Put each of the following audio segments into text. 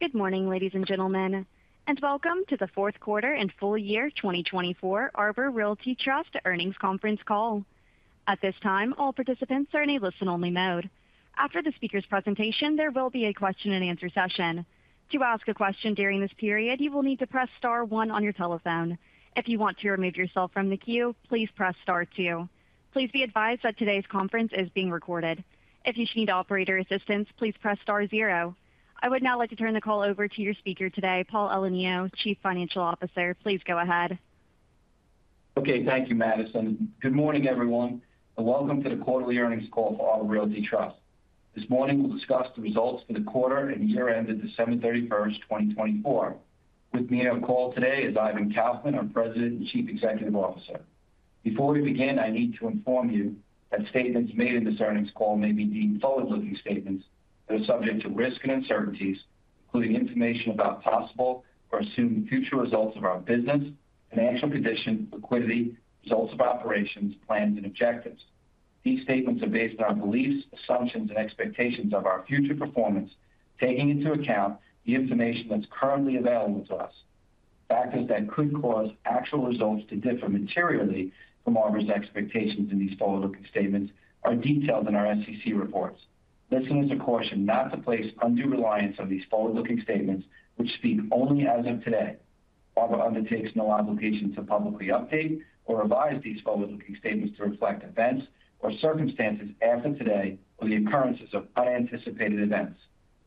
Good morning, ladies and gentlemen, and welcome to the Fourth Quarter and Full Year 2024 Arbor Realty Trust earnings conference call. At this time, all participants are in a listen-only mode. After the speaker's presentation, there will be a question-and-answer session. To ask a question during this period, you will need to press star one on your telephone. If you want to remove yourself from the queue, please press star two. Please be advised that today's conference is being recorded. If you should need operator assistance, please press star zero. I would now like to turn the call over to your speaker today, Paul Elenio, Chief Financial Officer. Please go ahead. Okay. Thank you, Madison. Good morning, everyone, and welcome to the quarterly earnings call for Arbor Realty Trust. This morning, we'll discuss the results for the quarter and year-end of December 31st, 2024. With me on the call today is Ivan Kaufman, our President and Chief Executive Officer. Before we begin, I need to inform you that statements made in this earnings call may be deemed forward-looking statements that are subject to risk and uncertainties, including information about possible or assumed future results of our business, financial condition, liquidity, results of operations, plans, and objectives. These statements are based on our beliefs, assumptions, and expectations of our future performance, taking into account the information that's currently available to us. Factors that could cause actual results to differ materially from Arbor's expectations in these forward-looking statements are detailed in our SEC reports. Listeners are cautioned not to place undue reliance on these forward-looking statements, which speak only as of today. Arbor undertakes no obligation to publicly update or revise these forward-looking statements to reflect events or circumstances as of today or the occurrences of unanticipated events.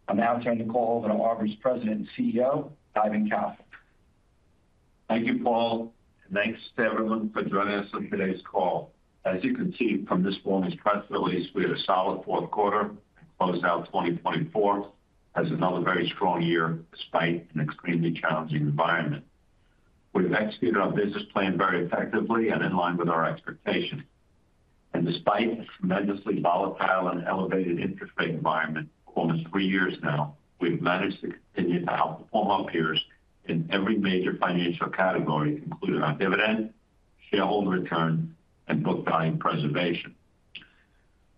I'll now turn the call over to Arbor's President and CEO, Ivan Kaufman. Thank you, Paul, and thanks to everyone for joining us on today's call. As you can see from this morning's press release, we had a solid fourth quarter and closed out 2024 as another very strong year despite an extremely challenging environment. We've executed our business plan very effectively and in line with our expectations, and despite a tremendously volatile and elevated interest rate environment for almost three years now, we've managed to continue to outperform our peers in every major financial category, including our dividend, shareholder return, and book value preservation.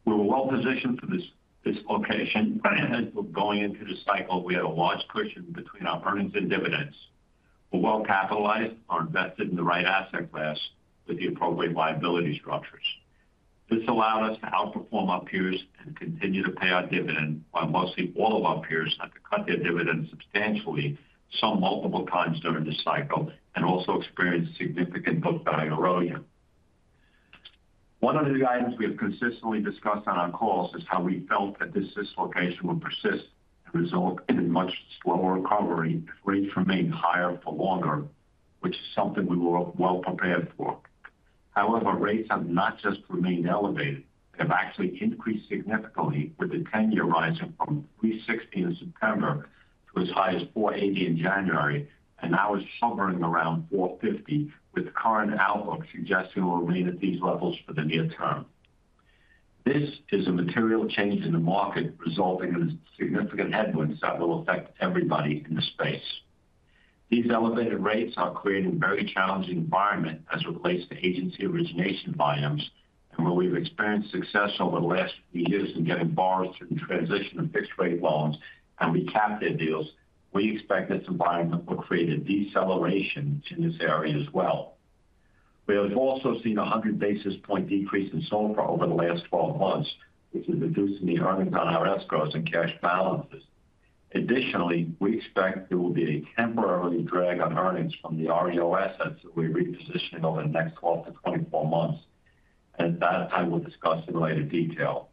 We were well-positioned for this dislocation. As we're going into this cycle, we had a large cushion between our earnings and dividends. We're well-capitalized and invested in the right asset class with the appropriate liability structures. This allowed us to outperform our peers and continue to pay our dividend while mostly all of our peers had to cut their dividends substantially, some multiple times during this cycle, and also experienced significant book value erosion. One of the items we have consistently discussed on our calls is how we felt that this dislocation would persist and result in a much slower recovery if rates remained higher for longer, which is something we were well-prepared for. However, rates have not just remained elevated. They have actually increased significantly, with the 10-year rising from 3.60% in September to as high as 4.80% in January, and now it's hovering around 4.50%, with current outlook suggesting it will remain at these levels for the near term. This is a material change in the market, resulting in significant headwinds that will affect everybody in the space. These elevated rates are creating a very challenging environment as it relates to agency origination volumes, and where we've experienced success over the last few years in getting borrowers through the transition of fixed-rate loans and recapture deals, we expect this environment will create a deceleration in this area as well. We have also seen a 100 basis points decrease in SOFR over the last 12 months, which is reducing the earnings on our escrows and cash balances. Additionally, we expect there will be a temporary drag on earnings from the REO assets that we're repositioning over the next 12 to 24 months, and that I will discuss in later detail.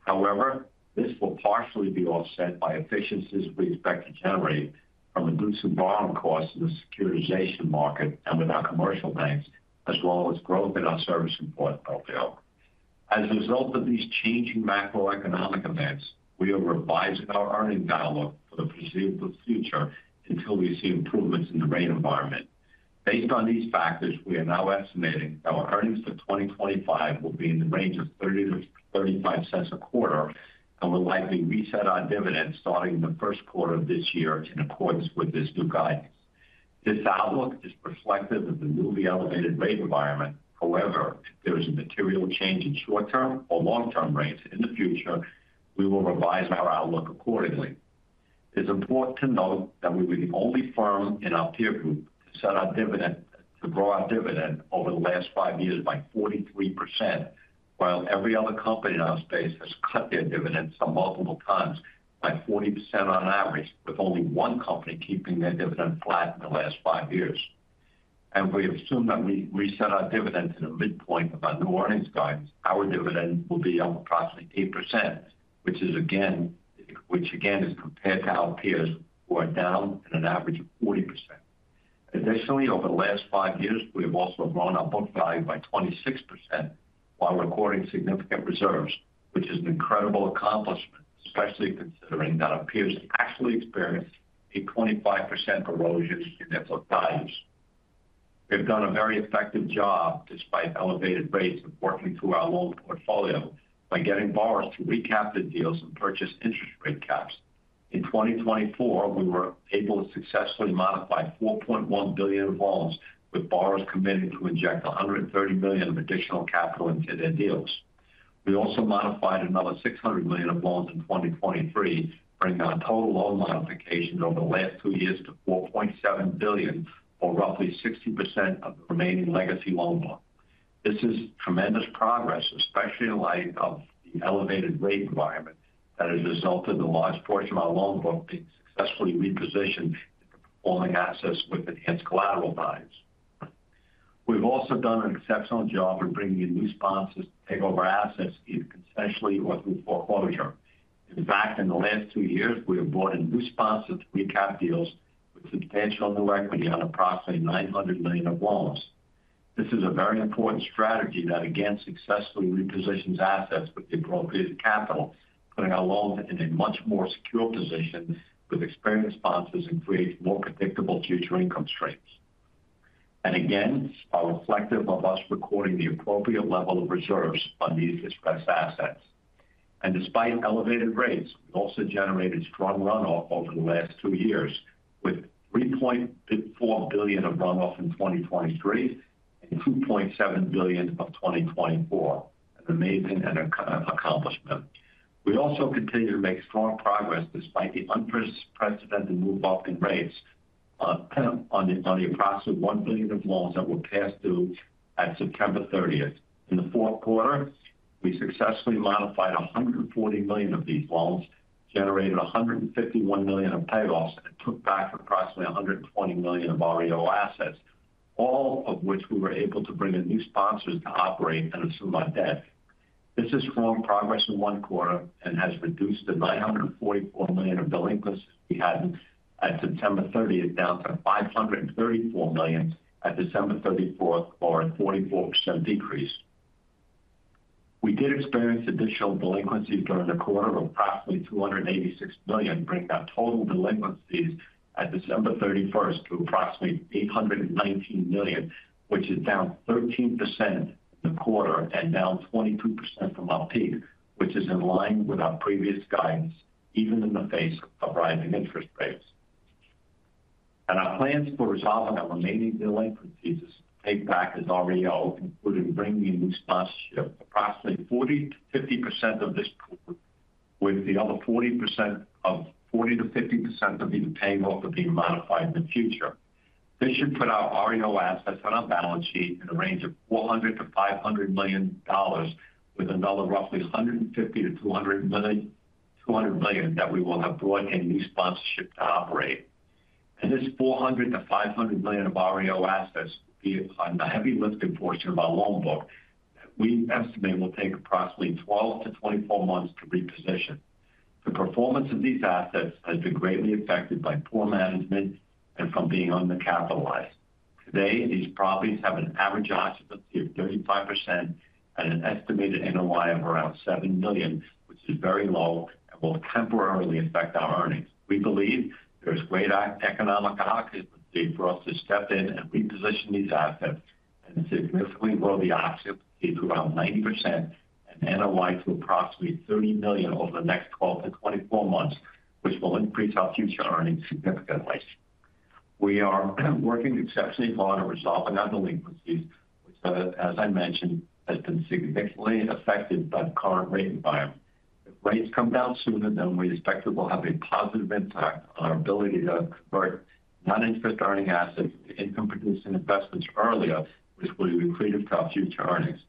However, this will partially be offset by efficiencies we expect to generate from reducing borrowing costs in the securitization market and with our commercial banks, as well as growth in our servicing portfolio. As a result of these changing macroeconomic events, we are revising our earnings outlook for the foreseeable future until we see improvements in the rate environment. Based on these factors, we are now estimating that our earnings for 2025 will be in the range of $0.30-$0.35 a quarter, and we'll likely reset our dividends starting in the first quarter of this year in accordance with this new guidance. This outlook is reflective of the newly elevated rate environment. However, if there is a material change in short-term or long-term rates in the future, we will revise our outlook accordingly. It's important to note that we were the only firm in our peer group to set our dividend, to grow our dividend over the last five years by 43%, while every other company in our space has cut their dividends some multiple times by 40% on average, with only one company keeping their dividend flat in the last five years. And if we assume that we reset our dividend to the midpoint of our new earnings guidance, our dividend will be up approximately 8%, which is again, which again is compared to our peers who are down at an average of 40%. Additionally, over the last five years, we have also grown our book value by 26% while recording significant reserves, which is an incredible accomplishment, especially considering that our peers actually experienced a 25% erosion in their book values. We have done a very effective job despite elevated rates of working through our loan portfolio by getting borrowers to recapture deals and purchase interest rate caps. In 2024, we were able to successfully modify $4.1 billion of loans, with borrowers committing to inject $130 million of additional capital into their deals. We also modified another $600 million of loans in 2023, bringing our total loan modifications over the last two years to $4.7 billion, or roughly 60% of the remaining legacy loan book. This is tremendous progress, especially in light of the elevated rate environment that has resulted in the large portion of our loan book being successfully repositioned into performing assets with enhanced collateral values. We've also done an exceptional job in bringing in new sponsors to take over assets, either consensually or through foreclosure. In fact, in the last two years, we have brought in new sponsors to recap deals with substantial new equity on approximately $900 million of loans. This is a very important strategy that, again, successfully repositions assets with the appropriate capital, putting our loans in a much more secure position with experienced sponsors and creates more predictable future income streams. And again, it's reflective of us recording the appropriate level of reserves on these distressed assets. And despite elevated rates, we also generated strong runoff over the last two years, with $3.4 billion of runoff in 2023 and $2.7 billion in 2024, an amazing accomplishment. We also continue to make strong progress despite the unprecedented move up in rates on the approximate $1 billion of loans that were past due at September 30th. In the fourth quarter, we successfully modified $140 million of these loans, generated $151 million of payoffs, and took back approximately $120 million of REO assets, all of which we were able to bring in new sponsors to operate and assume our debt. This is strong progress in one quarter and has reduced the $944 million of delinquencies we had at September 30th down to $534 million at December 31st, or a 44% decrease. We did experience additional delinquencies during the quarter of approximately $286 million, bringing our total delinquencies at December 31st to approximately $819 million, which is down 13% in the quarter and down 22% from our peak, which is in line with our previous guidance, even in the face of rising interest rates. Our plans for resolving our remaining delinquencies is to take back as REO, including bringing in new sponsorship, approximately 40%-50% of this quarter, with the other 40%-50% of the paying book being modified in the future. This should put our REO assets on our balance sheet in a range of $400 million-$500 million, with another roughly $150 million-$200 million that we will have brought in new sponsorship to operate. This $400 million-$500 million of REO assets will be on the heavy-lift portion of our loan book that we estimate will take approximately 12-24 months to reposition. The performance of these assets has been greatly affected by poor management and from being undercapitalized. Today, these properties have an average occupancy of 35% and an estimated NOI of around $7 million, which is very low and will temporarily affect our earnings. We believe there is great opportunity for us to step in and reposition these assets and significantly grow the occupancy to around 90% and NOI to approximately $30 million over the next 12-24 months, which will increase our future earnings significantly. We are working exceptionally hard on resolving our delinquencies, which, as I mentioned, has been significantly affected by the current rate environment. If rates come down sooner, then we expect it will have a positive impact on our ability to convert non-interest earning assets to income-producing investments earlier, which will be the key to our future earnings.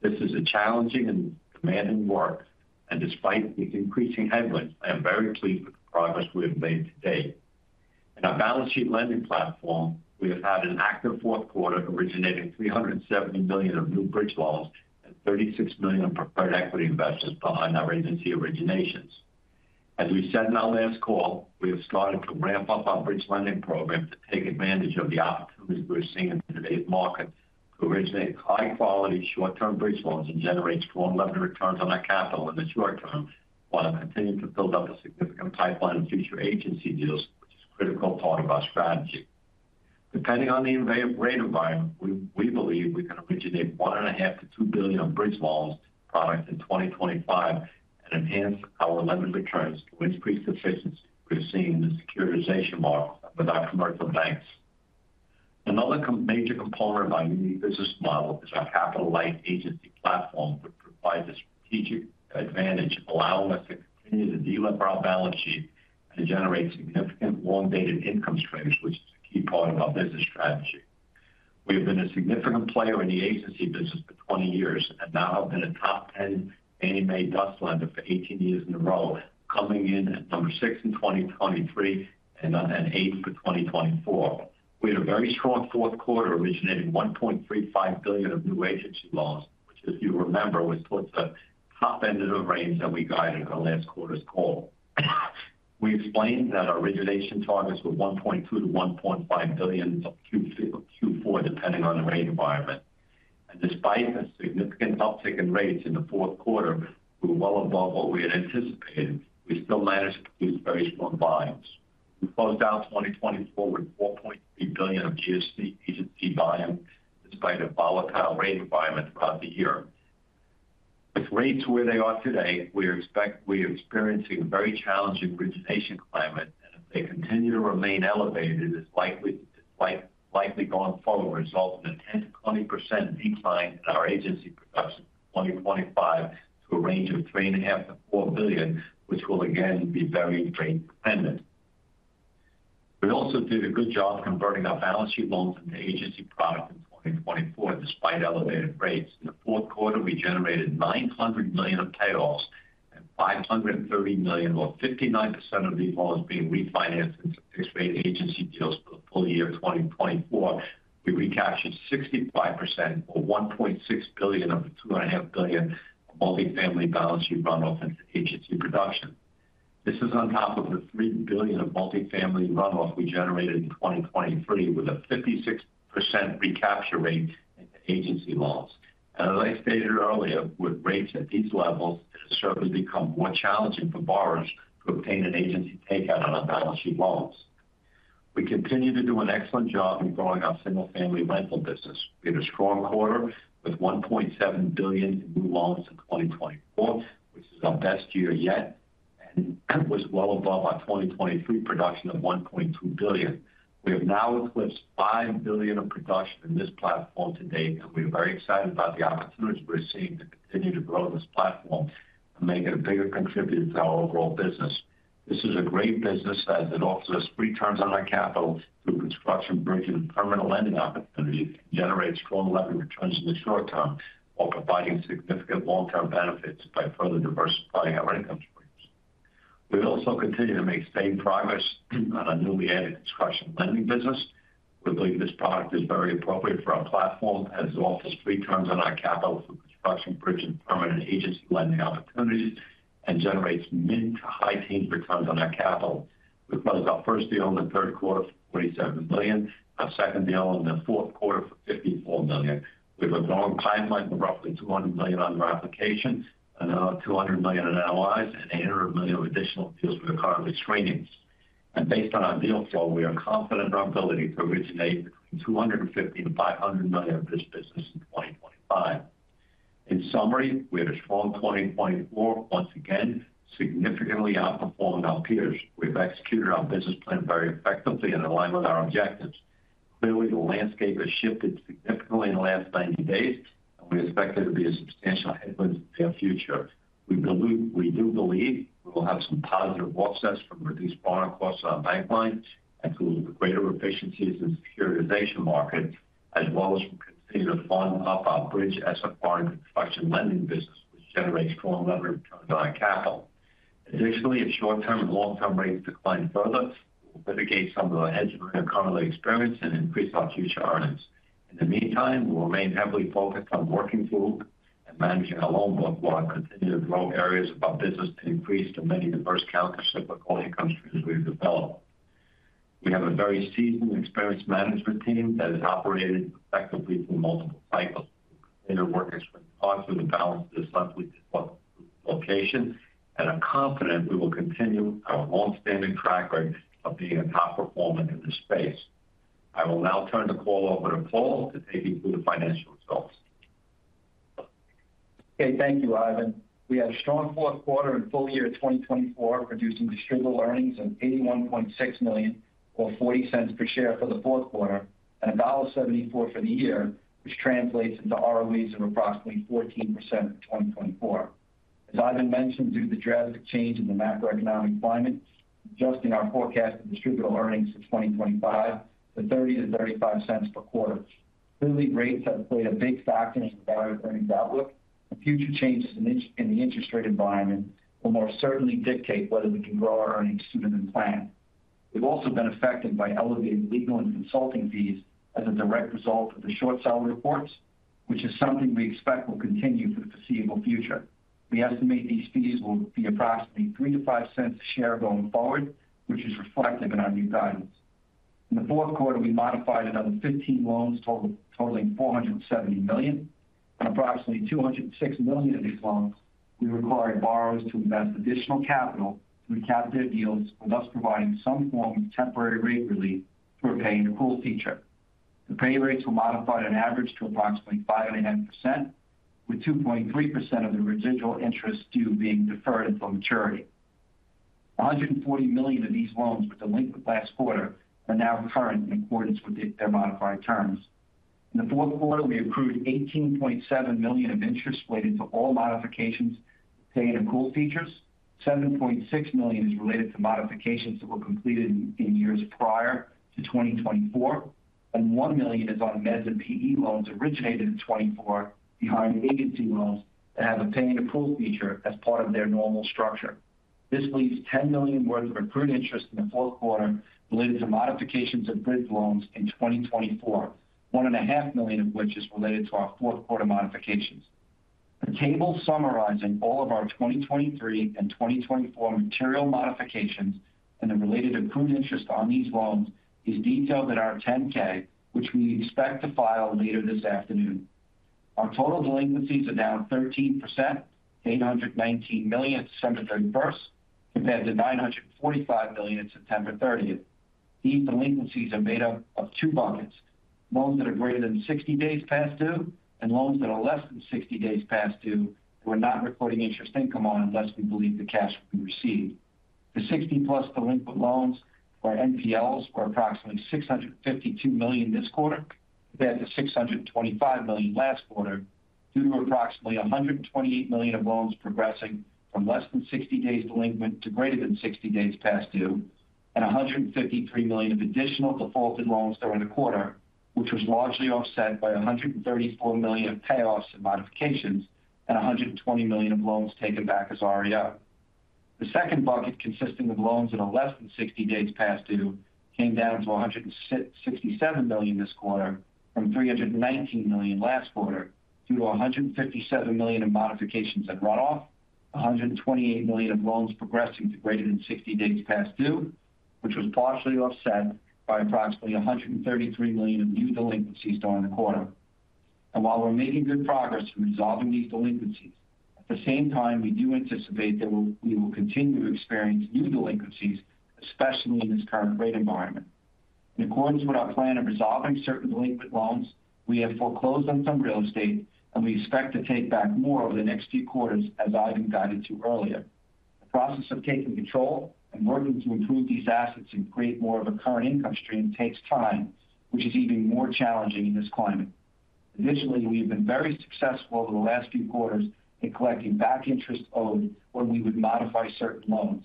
This is a challenging and demanding work, and despite the increasing headwinds, I am very pleased with the progress we have made today. In our balance sheet lending platform, we have had an active fourth quarter originating $370 million of new bridge loans and $36 million of preferred equity investments behind our agency originations. As we said in our last call, we have started to ramp up our bridge lending program to take advantage of the opportunities we're seeing in today's market to originate high-quality short-term bridge loans and generate strong levered returns on our capital in the short term while continuing to build up a significant pipeline of future agency deals, which is critical part of our strategy. Depending on the rate environment, we believe we can originate $1.5 billion-$2 billion of bridge loans product in 2025 and enhance our levered returns to increase the efficiency we're seeing in the securitization market with our commercial banks. Another major component of our unique business model is our capital-light agency platform, which provides a strategic advantage, allowing us to continue to deliver our balance sheet and generate significant long-dated income streams, which is a key part of our business strategy. We have been a significant player in the agency business for 20 years and now have been a top 10 Fannie Mae DUS lender for 18 years in a row, coming in at number six in 2023 and eighth for 2024. We had a very strong fourth quarter originating $1.35 billion of new agency loans, which, as you remember, was towards the top end of the range that we guided in our last quarter's call. We explained that our origination targets were $1.2 billion-$1.5 billion Q4, depending on the rate environment. Despite the significant uptick in rates in the fourth quarter, we were well above what we had anticipated. We still managed to produce very strong volumes. We closed out 2024 with $4.3 billion of agency volume despite a volatile rate environment throughout the year. With rates where they are today, we are experiencing a very challenging origination climate, and if they continue to remain elevated, it is likely going forward will result in a 10%-20% decline in our agency production from 2025 to a range of $3.5 billion-$4 billion, which will again be very rate-dependent. We also did a good job converting our balance sheet loans into agency product in 2024, despite elevated rates. In the fourth quarter, we generated $900 million of payoffs and $530 million, or 59% of these loans being refinanced into fixed-rate agency deals for the full year of 2024. We recaptured 65%, or $1.6 billion of the $2.5 billion of multifamily balance sheet runoff into agency production. This is on top of the $3 billion of multifamily runoff we generated in 2023, with a 56% recapture rate into agency loans. As I stated earlier, with rates at these levels, it has certainly become more challenging for borrowers to obtain an agency takeout on our balance sheet loans. We continue to do an excellent job in growing our single-family rental business. We had a strong quarter with $1.7 billion in new loans in 2024, which is our best year yet and was well above our 2023 production of $1.2 billion. We have now eclipsed $5 billion of production in this platform today, and we are very excited about the opportunities we're seeing to continue to grow this platform and make it a bigger contributor to our overall business. This is a great business as it offers us three turns on our capital through construction, bridges, and permanent lending opportunities, and generates strong levered returns in the short term while providing significant long-term benefits by further diversifying our income streams. We also continue to make steady progress on our newly added construction lending business. We believe this product is very appropriate for our platform as it offers three turns on our capital through construction, bridges, and permanent agency lending opportunities and generates mid to high-teens returns on our capital. We closed our first deal in the third quarter for $47 million, our second deal in the fourth quarter for $54 million. We have a long pipeline of roughly $200 million under application, another $200 million in LOIs, and $800 million of additional deals we're currently screening. Based on our deal flow, we are confident in our ability to originate between $250 million-$500 million of this business in 2025. In summary, we had a strong 2024, once again significantly outperforming our peers. We have executed our business plan very effectively in alignment with our objectives. Clearly, the landscape has shifted significantly in the last 90 days, and we expect there to be a substantial headwinds in the near future. We do believe we will have some positive offsets from reduced borrowing costs on our bank lines and to a greater efficiency in the securitization market, as well as from continuing to fund up our bridge SFR and construction lending business, which generates strong levered returns on our capital. Additionally, if short-term and long-term rates decline further, we will mitigate some of the headwinds we currently experience and increase our future earnings. In the meantime, we will remain heavily focused on working through and managing our loan book while continuing to grow areas of our business to increase the many diverse countercyclical income streams we've developed. We have a very seasoned experienced management team that has operated effectively through multiple cycles. We continue to work extremely hard to balance this leveraged allocation, and I'm confident we will continue our long-standing track record of being a top performer in this space. I will now turn the call over to Paul to take you through the financial results. Okay, thank you, Ivan. We had a strong fourth quarter and full year of 2024, producing distributed earnings of $81.6 million, or $0.40 per share for the fourth quarter, and a balance of $0.74 for the year, which translates into ROEs of approximately 14% for 2024. As Ivan mentioned, due to the drastic change in the macroeconomic climate, adjusting our forecast of distributed earnings for 2025 to $0.30-$0.35 per quarter. Clearly, rates have played a big factor in our earnings outlook, and future changes in the interest rate environment will more certainly dictate whether we can grow our earnings sooner than planned. We've also been affected by elevated legal and consulting fees as a direct result of the short-seller reports, which is something we expect will continue for the foreseeable future. We estimate these fees will be approximately $0.03-$0.05 a share going forward, which is reflective in our new guidance. In the fourth quarter, we modified another 15 loans totaling $470 million. On approximately $206 million of these loans, we required borrowers to invest additional capital to recap their deals, thus providing some form of temporary rate relief through pay and accrual feature. The pay rates were modified on average to approximately 5.5%, with 2.3% of the residual interest due being deferred until maturity. $140 million of these loans were delinquent last quarter and are now current in accordance with their modified terms. In the fourth quarter, we accrued $18.7 million of interest related to all modifications paying accrual features. $7.6 million is related to modifications that were completed in years prior to 2024, and $1 million is on mezz and PE loans originated in 2024 behind agency loans that have a pay and accrual feature as part of their normal structure. This leaves $10 million worth of accrued interest in the fourth quarter related to modifications of bridge loans in 2024, $1.5 million of which is related to our fourth quarter modifications. The table summarizing all of our 2023 and 2024 material modifications and the related accrued interest on these loans is detailed in our 10-K, which we expect to file later this afternoon. Our total delinquencies are now 13%, $819 million at December 31st, compared to $945 million at September 30th. These delinquencies are made up of two buckets: loans that are greater than 60 days past due and loans that are less than 60 days past due that we're not recording interest income on unless we believe the cash will be received. The 60-plus delinquent loans for NPLs were approximately $652 million this quarter, compared to $625 million last quarter, due to approximately $128 million of loans progressing from less than 60 days delinquent to greater than 60 days past due, and $153 million of additional defaulted loans during the quarter, which was largely offset by $134 million of payoffs and modifications and $120 million of loans taken back as REO. The second bucket, consisting of loans that are less than 60 days past due, came down to $167 million this quarter from $319 million last quarter, due to $157 million of modifications and runoff, $128 million of loans progressing to greater than 60 days past due, which was partially offset by approximately $133 million of new delinquencies during the quarter, and while we're making good progress in resolving these delinquencies, at the same time, we do anticipate that we will continue to experience new delinquencies, especially in this current rate environment. In accordance with our plan of resolving certain delinquent loans, we have foreclosed on some real estate, and we expect to take back more over the next few quarters, as Ivan guided to earlier. The process of taking control and working to improve these assets and create more of a current income stream takes time, which is even more challenging in this climate. Additionally, we have been very successful over the last few quarters in collecting back interest owed when we would modify certain loans.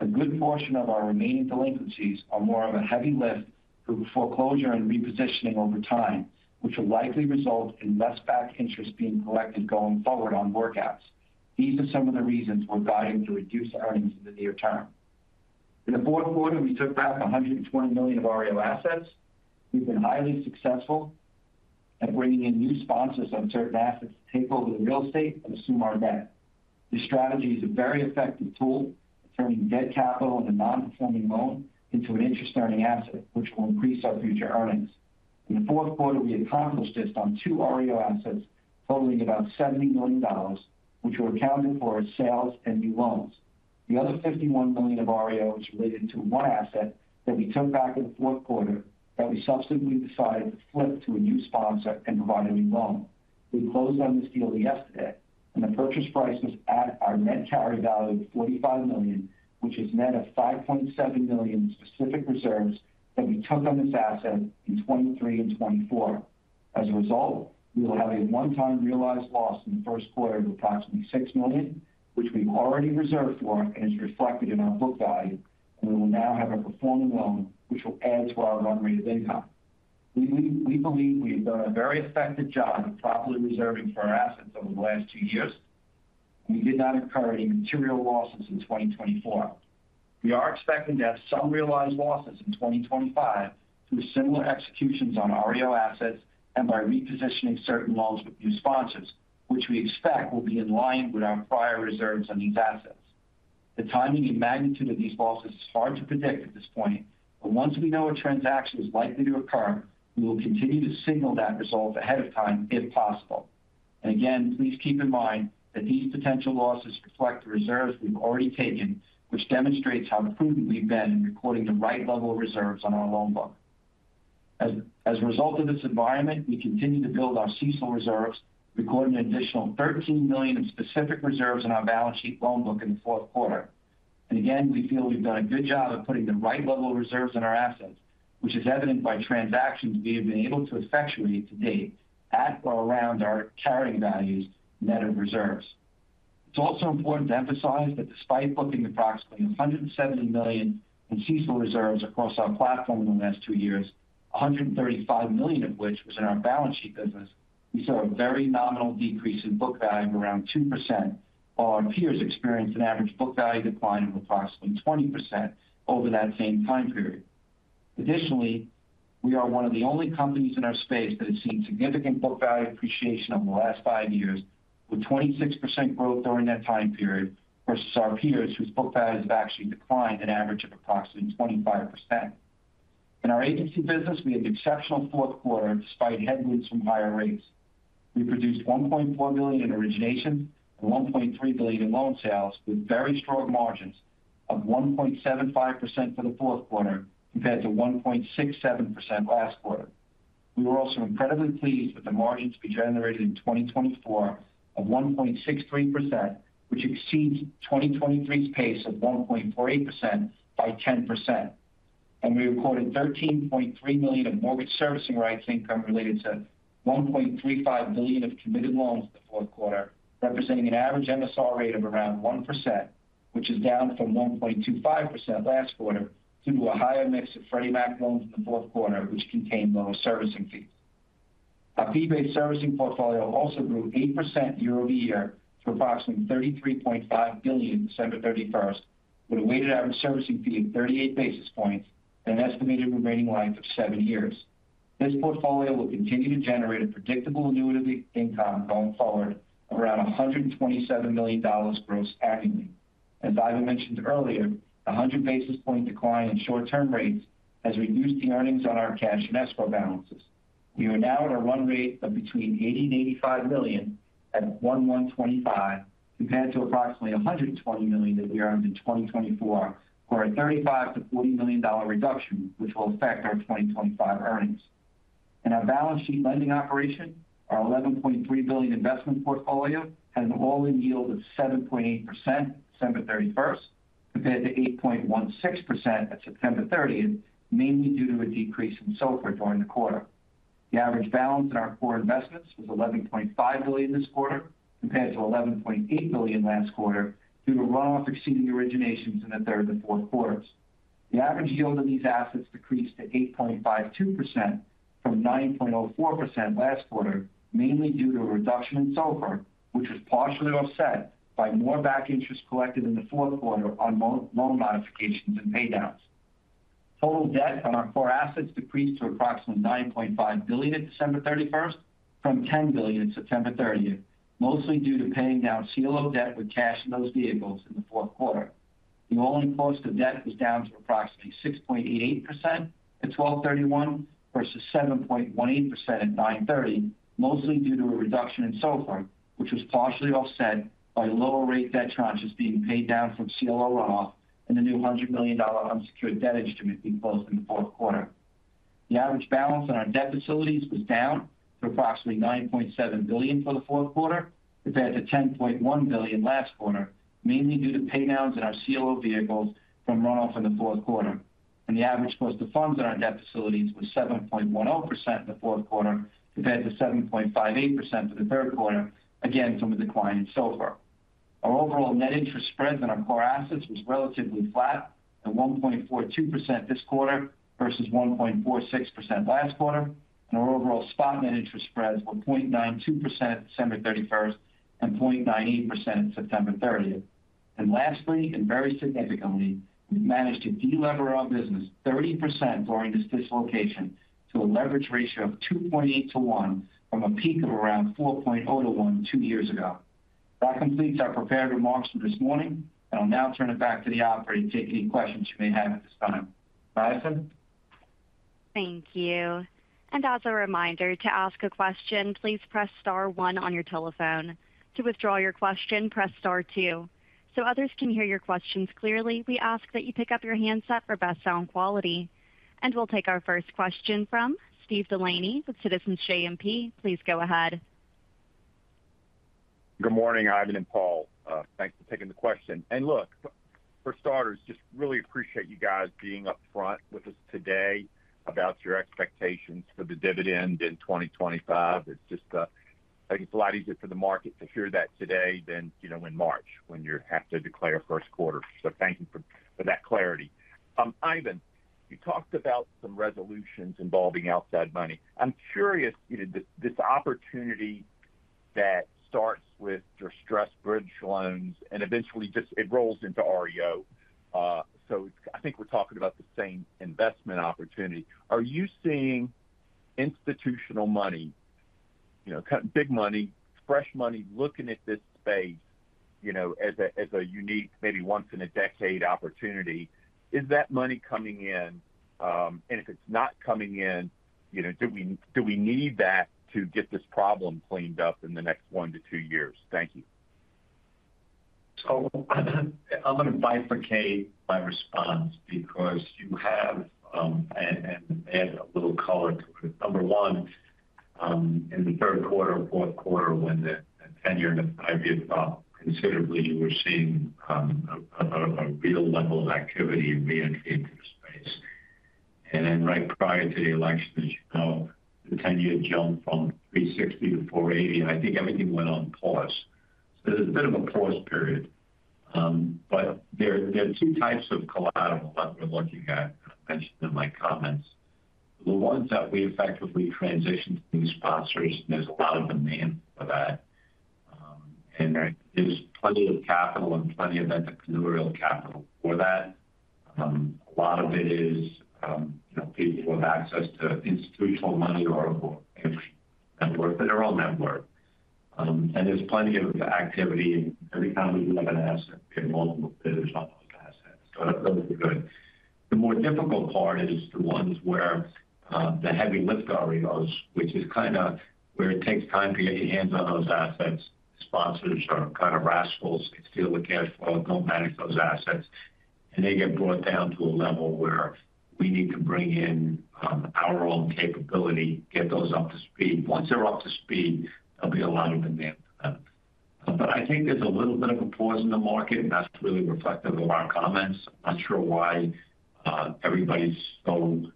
A good portion of our remaining delinquencies are more of a heavy lift through foreclosure and repositioning over time, which will likely result in less back interest being collected going forward on workouts. These are some of the reasons we're guiding to reduce earnings in the near term. In the fourth quarter, we took back $120 million of REO assets. We've been highly successful at bringing in new sponsors on certain assets to take over the real estate and assume our debt. This strategy is a very effective tool for turning dead capital on a non-performing loan into an interest-earning asset, which will increase our future earnings. In the fourth quarter, we accomplished this on two REO assets totaling about $70 million, which we're accounting for as sales and new loans. The other $51 million of REO is related to one asset that we took back in the fourth quarter that we subsequently decided to flip to a new sponsor and provide a new loan. We closed on this deal yesterday, and the purchase price was at our net carry value of $45 million, which is net of $5.7 million in specific reserves that we took on this asset in 2023 and 2024. As a result, we will have a one-time realized loss in the first quarter of approximately $6 million, which we've already reserved for and is reflected in our book value, and we will now have a performing loan, which will add to our run rate of income. We believe we have done a very effective job of properly reserving for our assets over the last two years, and we did not incur any material losses in 2024. We are expecting to have some realized losses in 2025 through similar executions on REO assets and by repositioning certain loans with new sponsors, which we expect will be in line with our prior reserves on these assets. The timing and magnitude of these losses is hard to predict at this point, but once we know a transaction is likely to occur, we will continue to signal that result ahead of time if possible. And again, please keep in mind that these potential losses reflect the reserves we've already taken, which demonstrates how prudent we've been in recording the right level of reserves on our loan book. As a result of this environment, we continue to build our CECL reserves, recording an additional $13 million of specific reserves in our balance sheet loan book in the fourth quarter. And again, we feel we've done a good job of putting the right level of reserves in our assets, which is evident by transactions we have been able to effectuate to date at or around our carrying values net of reserves. It's also important to emphasize that despite booking approximately $170 million in CECL reserves across our platform in the last two years, $135 million of which was in our balance sheet business, we saw a very nominal decrease in book value of around 2%, while our peers experienced an average book value decline of approximately 20% over that same time period. Additionally, we are one of the only companies in our space that has seen significant book value appreciation over the last five years, with 26% growth during that time period versus our peers whose book values have actually declined an average of approximately 25%. In our agency business, we had an exceptional fourth quarter despite headwinds from higher rates. We produced $1.4 billion in origination and $1.3 billion in loan sales, with very strong margins of 1.75% for the fourth quarter compared to 1.67% last quarter. We were also incredibly pleased with the margins we generated in 2024 of 1.63%, which exceeds 2023's pace of 1.48% by 10%. And we recorded $13.3 million of mortgage servicing rights income related to $1.35 billion of committed loans in the fourth quarter, representing an average MSR rate of around 1%, which is down from 1.25% last quarter due to a higher mix of Freddie Mac loans in the fourth quarter, which contained lower servicing fees. Our fee-based servicing portfolio also grew 8% year-over-year to approximately $33.5 billion December 31st, with a weighted average servicing fee of 38 basis points and an estimated remaining life of seven years. This portfolio will continue to generate a predictable annuity income going forward of around $127 million gross annually. As Ivan mentioned earlier, the 100 basis point decline in short-term rates has reduced the earnings on our cash and escrow balances. We are now at a run rate of between $80 and $85 million at 1/1/25, compared to approximately $120 million that we earned in 2024, for a $35million-$40 million reduction, which will affect our 2025 earnings. In our balance sheet lending operation, our $11.3 billion investment portfolio had an all-in yield of 7.8% December 31st, compared to 8.16% at September 30th, mainly due to a decrease in SOFR during the quarter. The average balance in our core investments was $11.5 billion this quarter, compared to $11.8 billion last quarter, due to runoff exceeding originations in the third and fourth quarters. The average yield on these assets decreased to 8.52% from 9.04% last quarter, mainly due to a reduction in SOFR, which was partially offset by more back interest collected in the fourth quarter on loan modifications and paydowns. Total debt on our core assets decreased to approximately $9.5 billion at December 31st from $10 billion at September 30th, mostly due to paying down CLO debt with cash in those vehicles in the fourth quarter. The all-in cost of debt was down to approximately 6.88% at 12/31/24 versus 7.18% at 9/30/24, mostly due to a reduction in SOFR, which was partially offset by lower rate debt tranches being paid down from CLO runoff and the new $100 million unsecured debt instrument being closed in the fourth quarter. The average balance on our debt facilities was down to approximately $9.7 billion for the fourth quarter, compared to $10.1 billion last quarter, mainly due to paydowns in our CLO vehicles from runoff in the fourth quarter. And the average cost of funds on our debt facilities was 7.10% in the fourth quarter, compared to 7.58% for the third quarter, again from a decline in SOFR. Our overall net interest spreads on our core assets were relatively flat at 1.42% this quarter versus 1.46% last quarter, and our overall spot net interest spreads were 0.92% at December 31st and 0.98% at September 30th. And lastly, and very significantly, we've managed to delever our business 30% during this dislocation to a leverage ratio of 2.8 to 1 from a peak of around 4.0 to 1 two years ago. That completes our prepared remarks for this morning, and I'll now turn it back to the operator to take any questions you may have at this time. Madison? Thank you. And as a reminder, to ask a question, please press star one on your telephone. To withdraw your question, press star two. So others can hear your questions clearly, we ask that you pick up your handset for best sound quality. And we'll take our first question from Steve Delaney with Citizens JMP. Please go ahead. Good morning, Ivan and Paul. Thanks for taking the question. And look, for starters, just really appreciate you guys being up front with us today about your expectations for the dividend in 2025. It's just, I think it's a lot easier for the market to hear that today than in March when you have to declare first quarter. So thank you for that clarity. Ivan, you talked about some resolutions involving outside money. I'm curious, this opportunity that starts with your stressed bridge loans and eventually just it rolls into REO. So I think we're talking about the same investment opportunity. Are you seeing institutional money, big money, fresh money looking at this space as a unique, maybe once-in-a-decade opportunity? Is that money coming in? And if it's not coming in, do we need that to get this problem cleaned up in the next one to two years? Thank you. So I'm going to bifurcate my response because you have added a little color to it. Number one, in the third quarter or fourth quarter, when the ten-year and the five-year shot considerably, you were seeing a real level of activity re-entry into the space. And right prior to the election, as you know, the ten-year jumped from 360 to 480, and I think everything went on pause. So there's a bit of a pause period. But there are two types of collateral that we're looking at, and I mentioned in my comments. The ones that we effectively transition to new sponsors, there's a lot of demand for that. And there is plenty of capital and plenty of entrepreneurial capital for that. A lot of it is people who have access to institutional money or family net worth. And there's plenty of activity. Every time we look at an asset, we have multiple bids on those assets. So those are good. The more difficult part is the ones where the heavy lift REOs, which is kind of where it takes time to get your hands on those assets. Sponsors are kind of rascals. They steal the cash flow, don't manage those assets, and they get brought down to a level where we need to bring in our own capability, get those up to speed. Once they're up to speed, there'll be a lot of demand for them. I think there's a little bit of a pause in the market, and that's really reflective of our comments. I'm not sure why everybody's so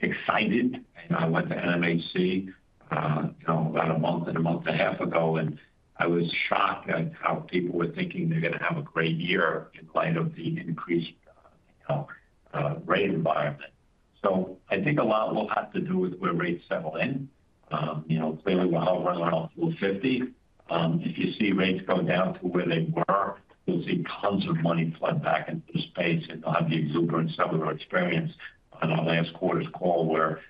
excited. I went to NMHC about a month and a month and a half ago, and I was shocked at how people were thinking they're going to have a great year in light of the increased rate environment. I think a lot will have to do with where rates settle in. Clearly, we're hovering around 450. If you see rates go down to where they were, you'll see tons of money flood back into the space, and you'll have the exuberance that we were experiencing on our last quarter's call where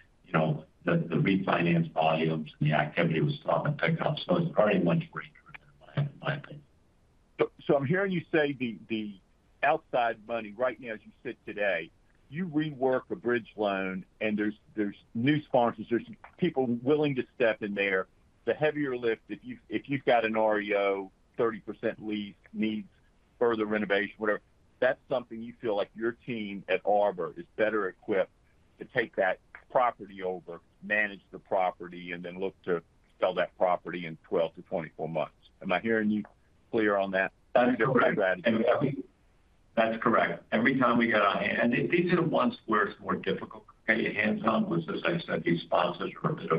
the refinance volumes and the activity was starting to pick up. It's very much rate-driven, in my opinion. So I'm hearing you say the outside money right now, as you sit today, you rework a bridge loan, and there's new sponsors, there's people willing to step in there. The heavier lift, if you've got an REO, 30% lease, needs further renovation, whatever, that's something you feel like your team at Arbor is better equipped to take that property over, manage the property, and then look to sell that property in 12-24 months. Am I hearing you clear on that? That's correct. That's correct. Every time we get on hand, and these are the ones where it's more difficult to get your hands on, because, as I said, these sponsors are a bit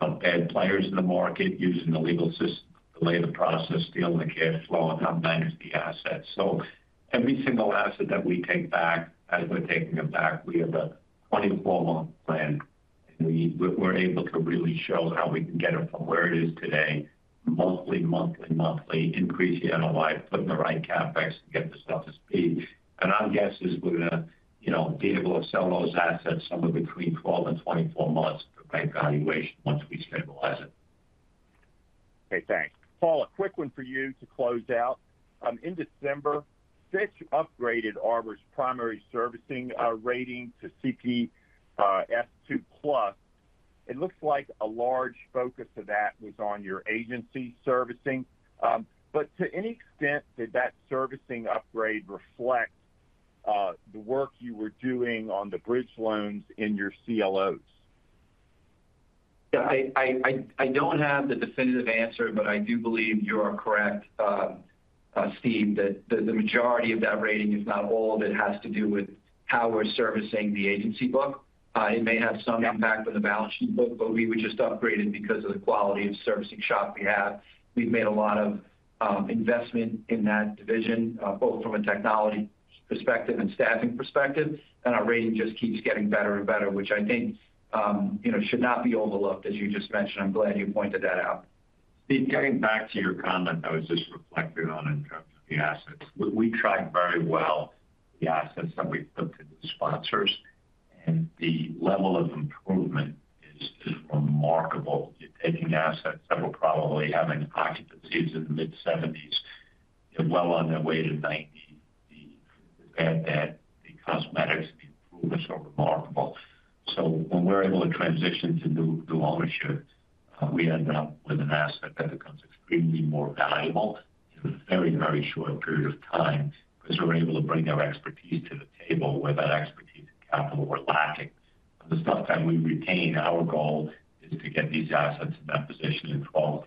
of bad players in the market using the legal system to delay the process, steal the cash flow, and not manage the assets. So every single asset that we take back, as we're taking it back, we have a 24-month plan, and we're able to really show how we can get it from where it is today, monthly, monthly, monthly, increasing NOI, putting the right CapEx to get this stuff to speed. And our guess is we're going to be able to sell those assets somewhere between 12 and 24 months at the right valuation once we stabilize it. Okay. Thanks. Paul, a quick one for you to close out. In December, Fitch upgraded Arbor's primary servicing rating to CPS2+. It looks like a large focus of that was on your agency servicing. But to any extent, did that servicing upgrade reflect the work you were doing on the bridge loans in your CLOs? Yeah. I don't have the definitive answer, but I do believe you are correct, Steve, that the majority of that rating is not all that has to do with how we're servicing the agency book. It may have some impact on the balance sheet book, but we would just upgrade it because of the quality of servicing shop we have. We've made a lot of investment in that division, both from a technology perspective and staffing perspective, and our rating just keeps getting better and better, which I think should not be overlooked, as you just mentioned. I'm glad you pointed that out. Steve, getting back to your comment, I was just reflecting on in terms of the assets. We tried very well. The assets that we put to new sponsors and the level of improvement is remarkable. You're taking assets that were probably having occupancies in the mid-70s, well on their way to 90s. The cosmetics, the improvements are remarkable. So when we're able to transition to new ownership, we end up with an asset that becomes extremely more valuable in a very, very short period of time because we're able to bring our expertise to the table where that expertise and capital were lacking. The stuff that we retain, our goal is to get these assets in that position in 12,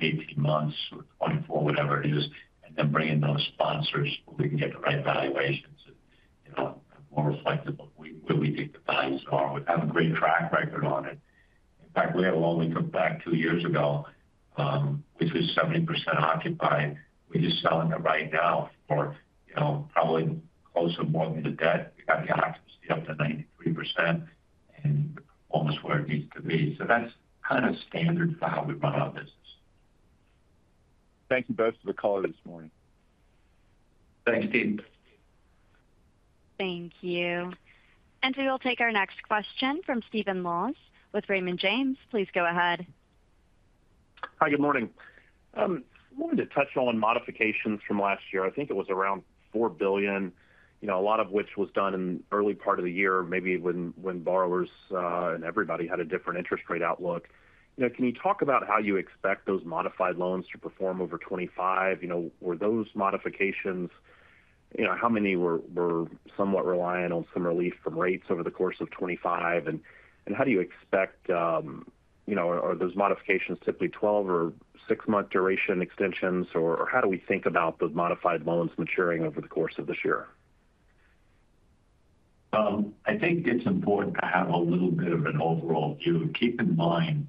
18 months or 24, whatever it is, and then bring in those sponsors so we can get the right valuations and more reflective of where we think the values are. We have a great track record on it. In fact, we had a loan we took back two years ago, which was 70% occupied. We're just selling it right now for probably close to more than the debt. We got the occupancy up to 93%, and the performance where it needs to be. So that's kind of standard for how we run our business. Thank you both for the call this morning. Thanks, Steve. Thank you. And we will take our next question from Stephen Laws with Raymond James. Please go ahead. Hi. Good morning. I wanted to touch on modifications from last year. I think it was around $4 billion, a lot of which was done in the early part of the year, maybe when borrowers and everybody had a different interest rate outlook. Can you talk about how you expect those modified loans to perform over 2025? Were those modifications how many were somewhat reliant on some relief from rates over the course of 2025? How do you expect are those modifications typically 12 or 6-month duration extensions? Or how do we think about the modified loans maturing over the course of this year? I think it's important to have a little bit of an overall view. Keep in mind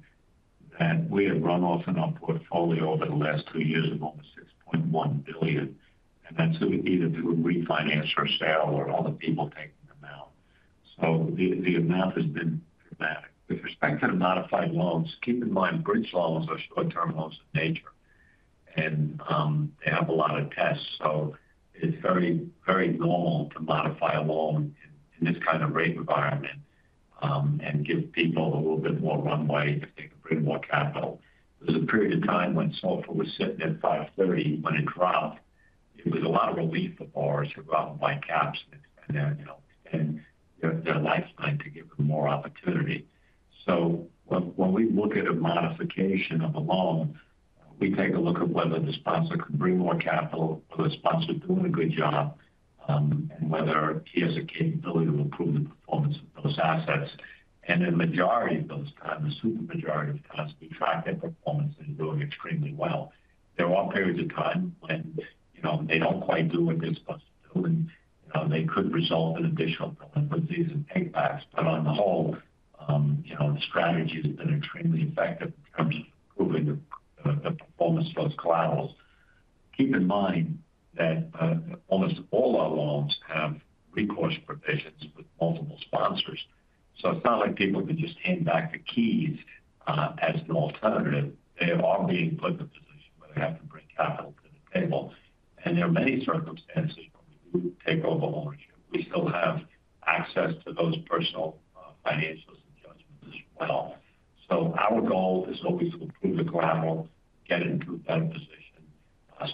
that we have runoff in our portfolio over the last two years of almost $6.1 billion. And that's either through refinance or sale or other people taking them out. So the amount has been dramatic. With respect to the modified loans, keep in mind bridge loans are short-term loans of nature, and they have a lot of tests. So it's very normal to modify a loan in this kind of rate environment and give people a little bit more runway if they can bring more capital. There was a period of time when SOFR was sitting at 530. When it dropped, it was a lot of relief for borrowers who were out and buying caps and extend their lifespan to give them more opportunity. So when we look at a modification of a loan, we take a look at whether the sponsor can bring more capital, whether the sponsor is doing a good job, and whether he has a capability to improve the performance of those assets. And in the majority of those times, the super majority of times, we track their performance and they're doing extremely well. There are periods of time when they don't quite do what they're supposed to do, and they could result in additional delinquencies and paybacks. But on the whole, the strategy has been extremely effective in terms of improving the performance of those collaterals. Keep in mind that almost all our loans have recourse provisions with multiple sponsors. It's not like people can just hand back the keys as an alternative. They are being put in a position where they have to bring capital to the table. There are many circumstances when we do take over ownership; we still have access to those personal financials and judgments as well. Our goal is always to improve the collateral, get it into a better position,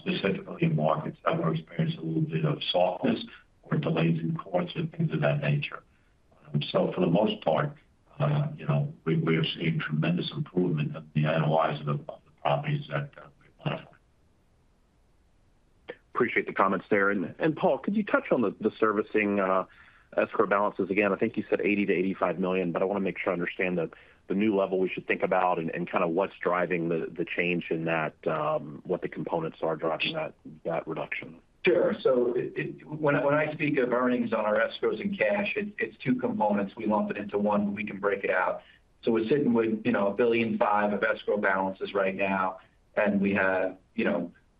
specifically in markets that will experience a little bit of softness or delays in courts or things of that nature. For the most part, we are seeing tremendous improvement of the NOIs of the properties that we've modified. Appreciate the comments there and Paul, could you touch on the servicing escrow balances again? I think you said $80 million-$85 million, but I want to make sure I understand the new level we should think about and kind of what's driving the change in that, what the components are driving that reduction. Sure. So when I speak of earnings on our escrows and cash, it's two components. We lump it into one, but we can break it out. So we're sitting with $1.005 billion of escrow balances right now. And we had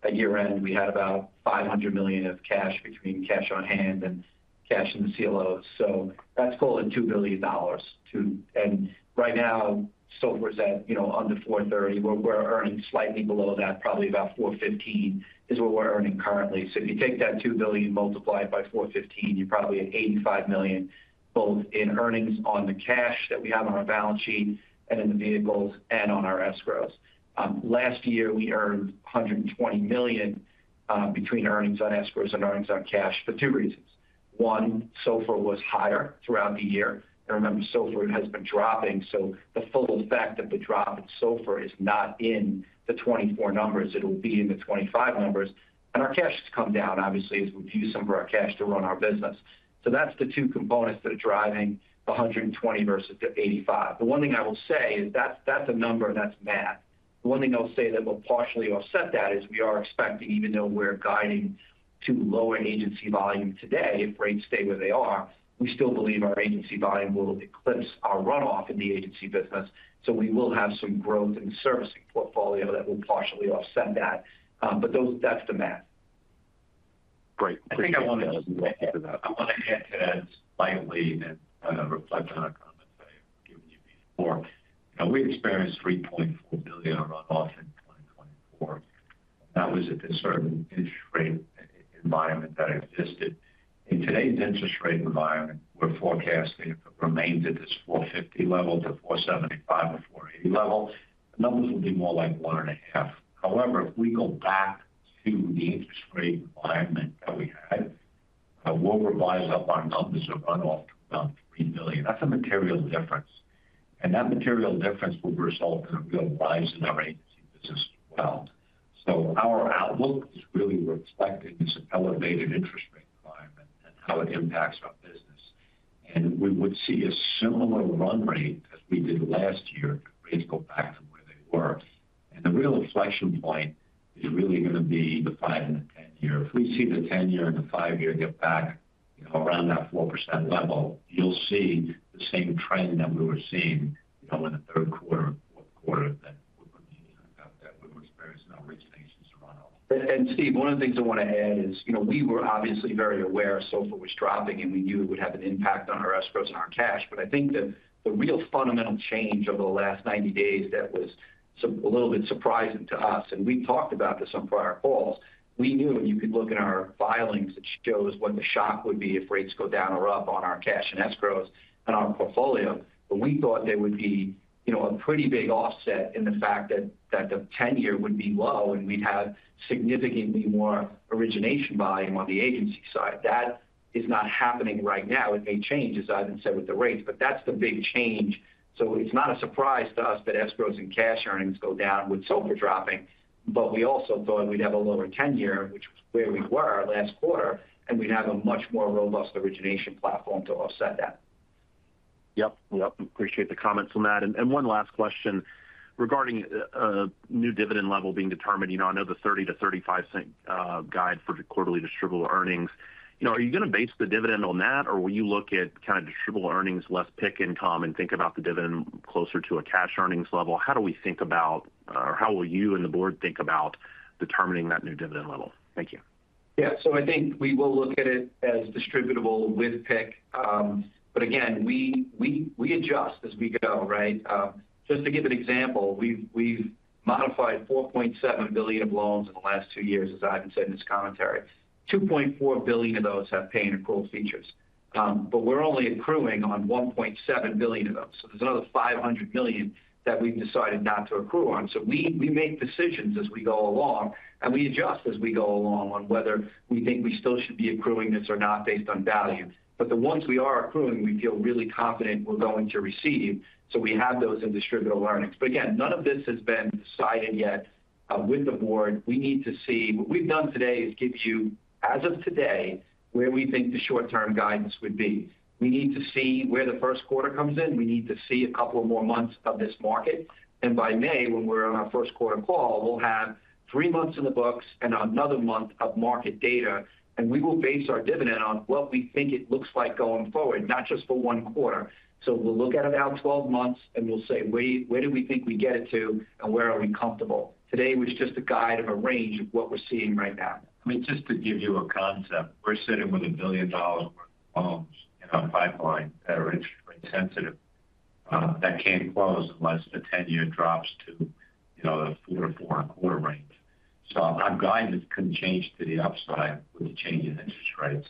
at year-end, we had about $500 million of cash between cash on hand and cash in the CLOs. So that's total at $2 billion. And right now, SOFR is at under 4.30%. We're earning slightly below that, probably about 4.15% is what we're earning currently. So if you take that $2 billion, multiply it by 415, you're probably at $85 million, both in earnings on the cash that we have on our balance sheet and in the vehicles and on our escrows. Last year, we earned $120 million between earnings on escrows and earnings on cash for two reasons. One, SOFR was higher throughout the year. And remember, SOFR has been dropping. So the full effect of the drop in SOFR is not in the 2024 numbers. It will be in the 2025 numbers. And our cash has come down, obviously, as we've used some of our cash to run our business. So that's the two components that are driving 120 versus 85. The one thing I will say is that's a number, and that's math. The one thing I'll say that will partially offset that is we are expecting, even though we're guiding to lower agency volume today, if rates stay where they are, we still believe our agency volume will eclipse our runoff in the agency business. So we will have some growth in the servicing portfolio that will partially offset that. But that's the math. Great. I think I want to add to that. I want to add to that slightly and reflect on a comment I've given you before. We experienced $3.4 billion runoff in 2024. That was at the certain interest rate environment that existed. In today's interest rate environment, we're forecasting if it remains at this 450 level to 475 or 480 level, the numbers will be more like $1.5 billion. However, if we go back to the interest rate environment that we had, what will rise up our numbers of runoff to around $3 billion? That's a material difference. And that material difference will result in a real rise in our agency business as well. So our outlook is really reflecting this elevated interest rate environment and how it impacts our business. And we would see a similar run rate as we did last year if rates go back to where they were. And the real inflection point is really going to be the 5-year and the 10-year. If we see the 10-year and the 5-year get back around that 4% level, you'll see the same trend that we were seeing in the third quarter and fourth quarter that we're going to be talking about that we were experiencing our originations to run off. And Steve, one of the things I want to add is we were obviously very aware SOFR was dropping, and we knew it would have an impact on our escrows and our cash. But I think the real fundamental change over the last 90 days that was a little bit surprising to us, and we've talked about this on prior calls, we knew, and you could look in our filings that shows what the shock would be if rates go down or up on our cash and escrows and our portfolio. But we thought there would be a pretty big offset in the fact that the 10-year would be low and we'd have significantly more origination volume on the agency side. That is not happening right now. It may change, as Ivan said, with the rates, but that's the big change. So it's not a surprise to us that escrows and cash earnings go down with SOFR dropping. But we also thought we'd have a lower 10-year, which was where we were last quarter, and we'd have a much more robust origination platform to offset that. Yep. Yep. Appreciate the comments on that. And one last question regarding new dividend level being determined. I know the 30-35 guide for quarterly distributable earnings. Are you going to base the dividend on that, or will you look at kind of distributable earnings less PIK income and think about the dividend closer to a cash earnings level? How do we think about, or how will you and the board think about determining that new dividend level? Thank you. Yeah. So I think we will look at it as distributable with PIK. But again, we adjust as we go, right? Just to give an example, we've modified $4.7 billion of loans in the last two years, as Ivan said in his commentary. $2.4 billion of those have pay and accrual features. But we're only accruing on $1.7 billion of those. So there's another $500 million that we've decided not to accrue on. So we make decisions as we go along, and we adjust as we go along on whether we think we still should be accruing this or not based on value. But the ones we are accruing, we feel really confident we're going to receive. So we have those in distributable earnings. But again, none of this has been decided yet with the board. We need to see what we've done today is give you, as of today, where we think the short-term guidance would be. We need to see where the first quarter comes in. We need to see a couple of more months of this market. And by May, when we're on our first quarter call, we'll have three months in the books and another month of market data. And we will base our dividend on what we think it looks like going forward, not just for one quarter. So we'll look at it out 12 months, and we'll say, "Where do we think we get it to, and where are we comfortable?" Today, we're just a guide of a range of what we're seeing right now. I mean, just to give you a concept, we're sitting with $1 billion worth of loans in our pipeline that are interest rate sensitive. That can't close unless the 10-year drops to the 4 or 4 and a quarter range. So our guidance couldn't change to the upside with the change in interest rates.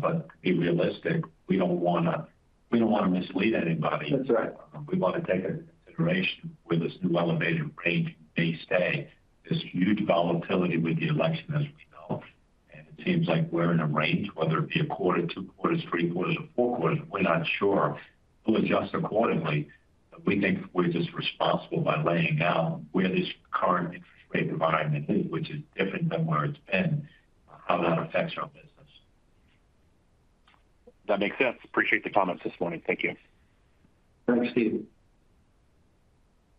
But to be realistic, we don't want to mislead anybody. That's right. We want to take into consideration where this new elevated range may stay. There's huge volatility with the election, as we know. And it seems like we're in a range, whether it be a quarter, two quarters, three quarters, or four quarters. We're not sure. We'll adjust accordingly. But we think we're just responsible by laying out where this current interest rate environment is, which is different than where it's been, how that affects our business. That makes sense. Appreciate the comments this morning. Thank you. Thanks, Steve.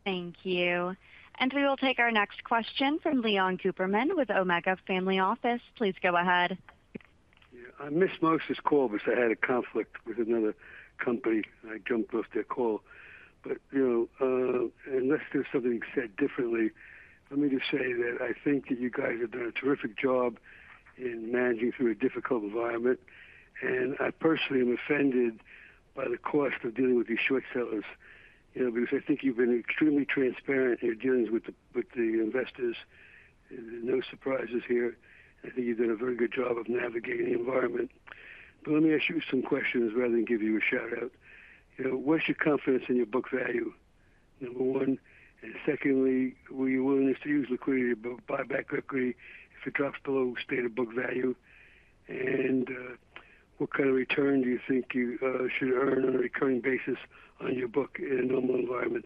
Thank you. And we will take our next question from Leon Cooperman with Omega Family Office. Please go ahead. Yeah. I missed most of this call because I had a conflict with another company. I jumped off their call. But unless there's something said differently, let me just say that I think that you guys have done a terrific job in managing through a difficult environment. And I personally am offended by the cost of dealing with these short sellers because I think you've been extremely transparent in your dealings with the investors. No surprises here. I think you've done a very good job of navigating the environment. But let me ask you some questions rather than give you a shout-out. Where's your confidence in your book value, number one? And secondly, were you willing to use liquidity to buy back equity if it drops below stated book value? And what kind of return do you think you should earn on a recurring basis on your book in a normal environment?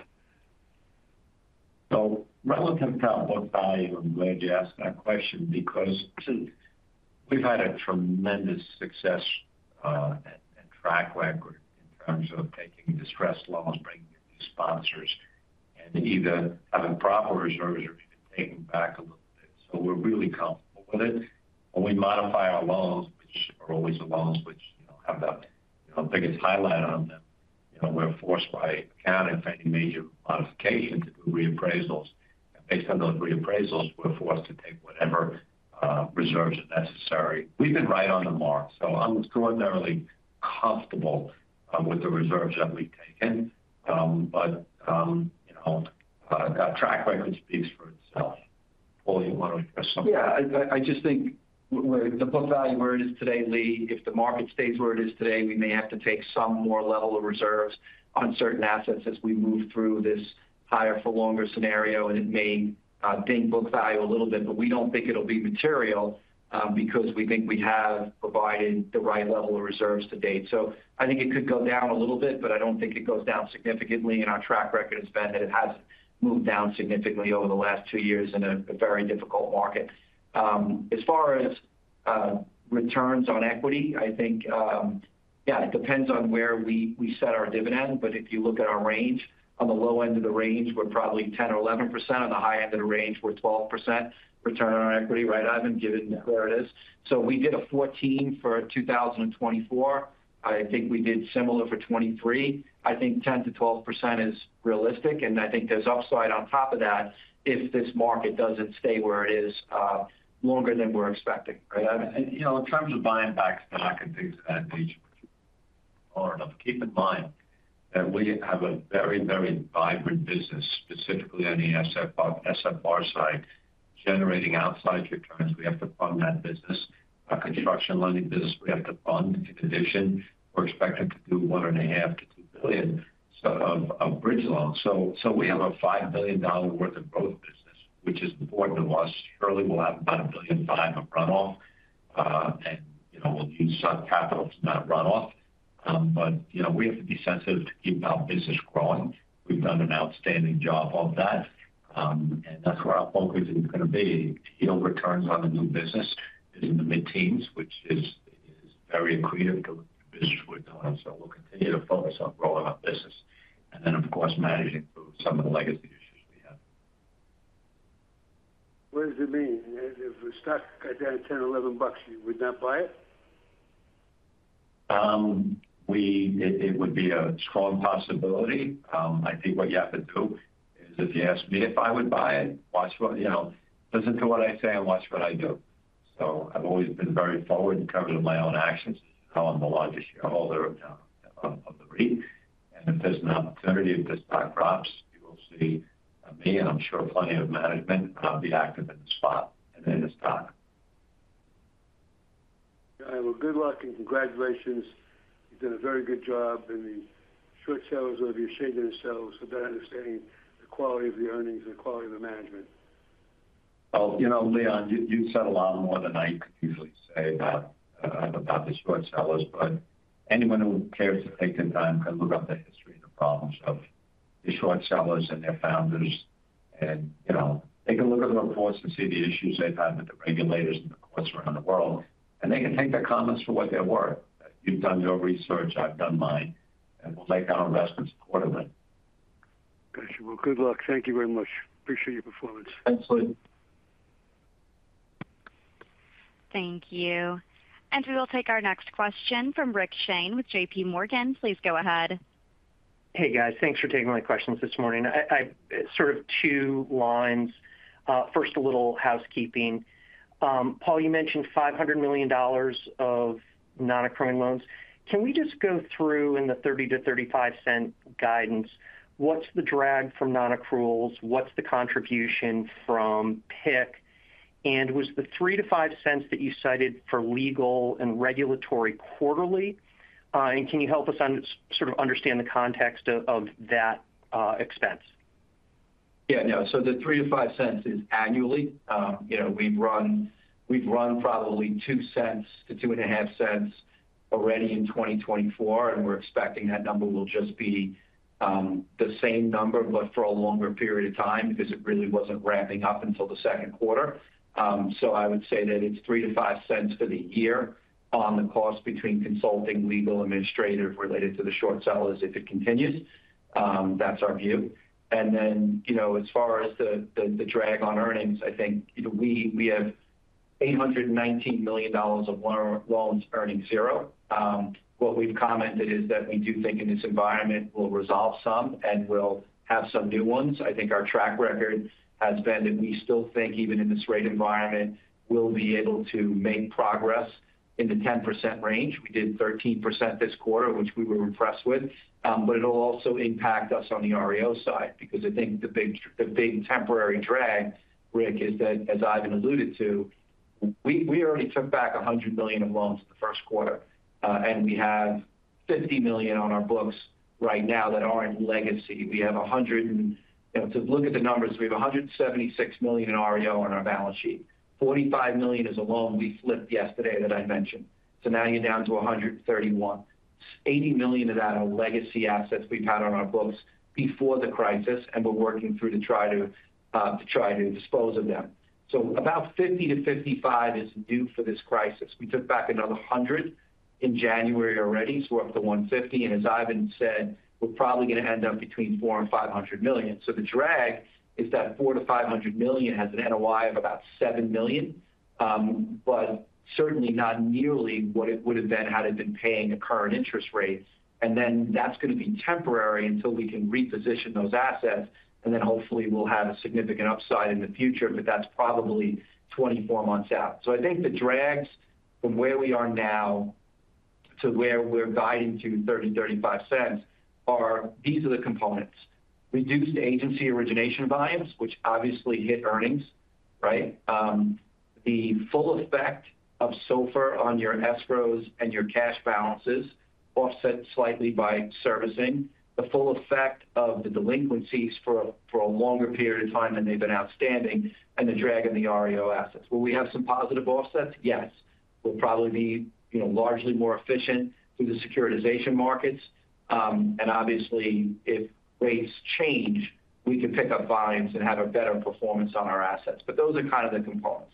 So relative to our book value, I'm glad you asked that question because we've had a tremendous success and track record in terms of taking distressed loans, bringing in new sponsors, and either having proper reserves or even taking back a little bit. So we're really comfortable with it. When we modify our loans, which are always the loans which have the biggest highlight on them, we're forced by accounting for any major modification to do reappraisals. And based on those reappraisals, we're forced to take whatever reserves are necessary. We've been right on the mark. So I'm extraordinarily comfortable with the reserves that we've taken. But that track record speaks for itself. Paul, you want to address something? Yeah. I just think the book value, where it is today, Leon, if the market stays where it is today, we may have to take some more level of reserves on certain assets as we move through this higher-for-longer scenario, and it may ding book value a little bit, but we don't think it'll be material because we think we have provided the right level of reserves to date, so I think it could go down a little bit, but I don't think it goes down significantly. Our track record has been that it has moved down significantly over the last two years in a very difficult market. As far as returns on equity, I think, yeah, it depends on where we set our dividend, but if you look at our range, on the low end of the range, we're probably 10% or 11%. On the high end of the range, we're 12% return on equity, right, Ivan, given where it is. We did a 14% for 2024. I think we did similar for 2023. I think 10%-12% is realistic. I think there's upside on top of that if this market doesn't stay where it is longer than we're expecting, right? In terms of buying back stock and things of that nature, keep in mind that we have a very, very vibrant business, specifically on the SFR side, generating outside returns. We have to fund that business. Our construction lending business, we have to fund in addition. We're expected to do $1.5 billion-$2 billion of bridge loans. We have a $5 billion worth of growth business, which is important to us. Surely, we'll have about $1.05 billion of runoff. We'll use some capital to not run off. We have to be sensitive to keep our business growing. We've done an outstanding job of that. That's where our focus is going to be. Yield returns on the new business is in the mid-teens, which is very accretive to the business we're doing. We'll continue to focus on growing our business. Then, of course, managing through some of the legacy issues we have. What does it mean? If the stock got down to $10, $11, you would not buy it? It would be a strong possibility. I think what you have to do is, if you ask me if I would buy it, listen to what I say and watch what I do. I've always been very forward in terms of my own actions. I'm the largest shareholder of the REIT. And if there's an opportunity, if the stock drops, you will see me, and I'm sure plenty of management, and I'll be active in the spot and in the stock. All right. Well, good luck and congratulations. You've done a very good job in the short sellers over your head, the short sellers for better understanding the quality of the earnings and the quality of the management. Well, Leon, you said a lot more than I could usually say about the short sellers. But anyone who cares to take the time can look up the history and the problems of the short sellers and their founders. And they can look at the reports and see the issues they've had with the regulators and the courts around the world. And they can take their comments for what they're worth. You've done your research. I've done mine. And we'll make our investments accordingly. Gotcha. Well, good luck. Thank you very much. Appreciate your performance. Thanks, Lee. Thank you. And we will take our next question from Rick Shane with JPMorgan. Please go ahead. Hey, guys. Thanks for taking my questions this morning. Sort of two lines. First, a little housekeeping. Paul, you mentioned $500 million of non-accruing loans. Can we just go through in the 30- to 35-cent guidance? What's the drag from non-accruals? What's the contribution from PIK? And was the 3- to 5 cents that you cited for legal and regulatory quarterly? And can you help us sort of understand the context of that expense? Yeah. No. So the 3- to 5 cents is annually. We've run probably $0.02 to $2.5 cents already in 2024. We're expecting that number will just be the same number, but for a longer period of time because it really wasn't ramping up until the second quarter. So I would say that it's $0.03-$0.05 for the year on the cost between consulting, legal, administrative related to the short sellers if it continues. That's our view. And then as far as the drag on earnings, I think we have $819 million of loans earning zero. What we've commented is that we do think in this environment we'll resolve some and we'll have some new ones. I think our track record has been that we still think, even in this rate environment, we'll be able to make progress in the 10% range. We did 13% this quarter, which we were impressed with. But it'll also impact us on the REO side because I think the big temporary drag, Rick, is that, as Ivan alluded to, we already took back $100 million of loans in the first quarter. And we have $50 million on our books right now that aren't legacy. We have $100 million and to look at the numbers, we have $176 million in REO on our balance sheet. $45 million is a loan we flipped yesterday that I mentioned. So now you're down to $131 million. $80 million of that are legacy assets we've had on our books before the crisis. And we're working through to try to dispose of them. So about $50 million to $55 million is due for this crisis. We took back another $100 million in January already. So we're up to $150 million. And as Ivan said, we're probably going to end up between $400 million and $500 million. So the drag is that $400 million-$500 million has an NOI of about $7 million, but certainly not nearly what it would have been had it been paying a current interest rate. And then that's going to be temporary until we can reposition those assets. And then hopefully, we'll have a significant upside in the future. But that's probably 24 months out. So I think the drags from where we are now to where we're guiding to $0.30-$0.35 are these the components: reduced agency origination volumes, which obviously hit earnings, right? The full effect of SOFR on your escrows and your cash balances offset slightly by servicing. The full effect of the delinquencies for a longer period of time than they've been outstanding and the drag in the REO assets. Will we have some positive offsets? Yes. We'll probably be largely more efficient through the securitization markets. And obviously, if rates change, we can pick up volumes and have a better performance on our assets. But those are kind of the components.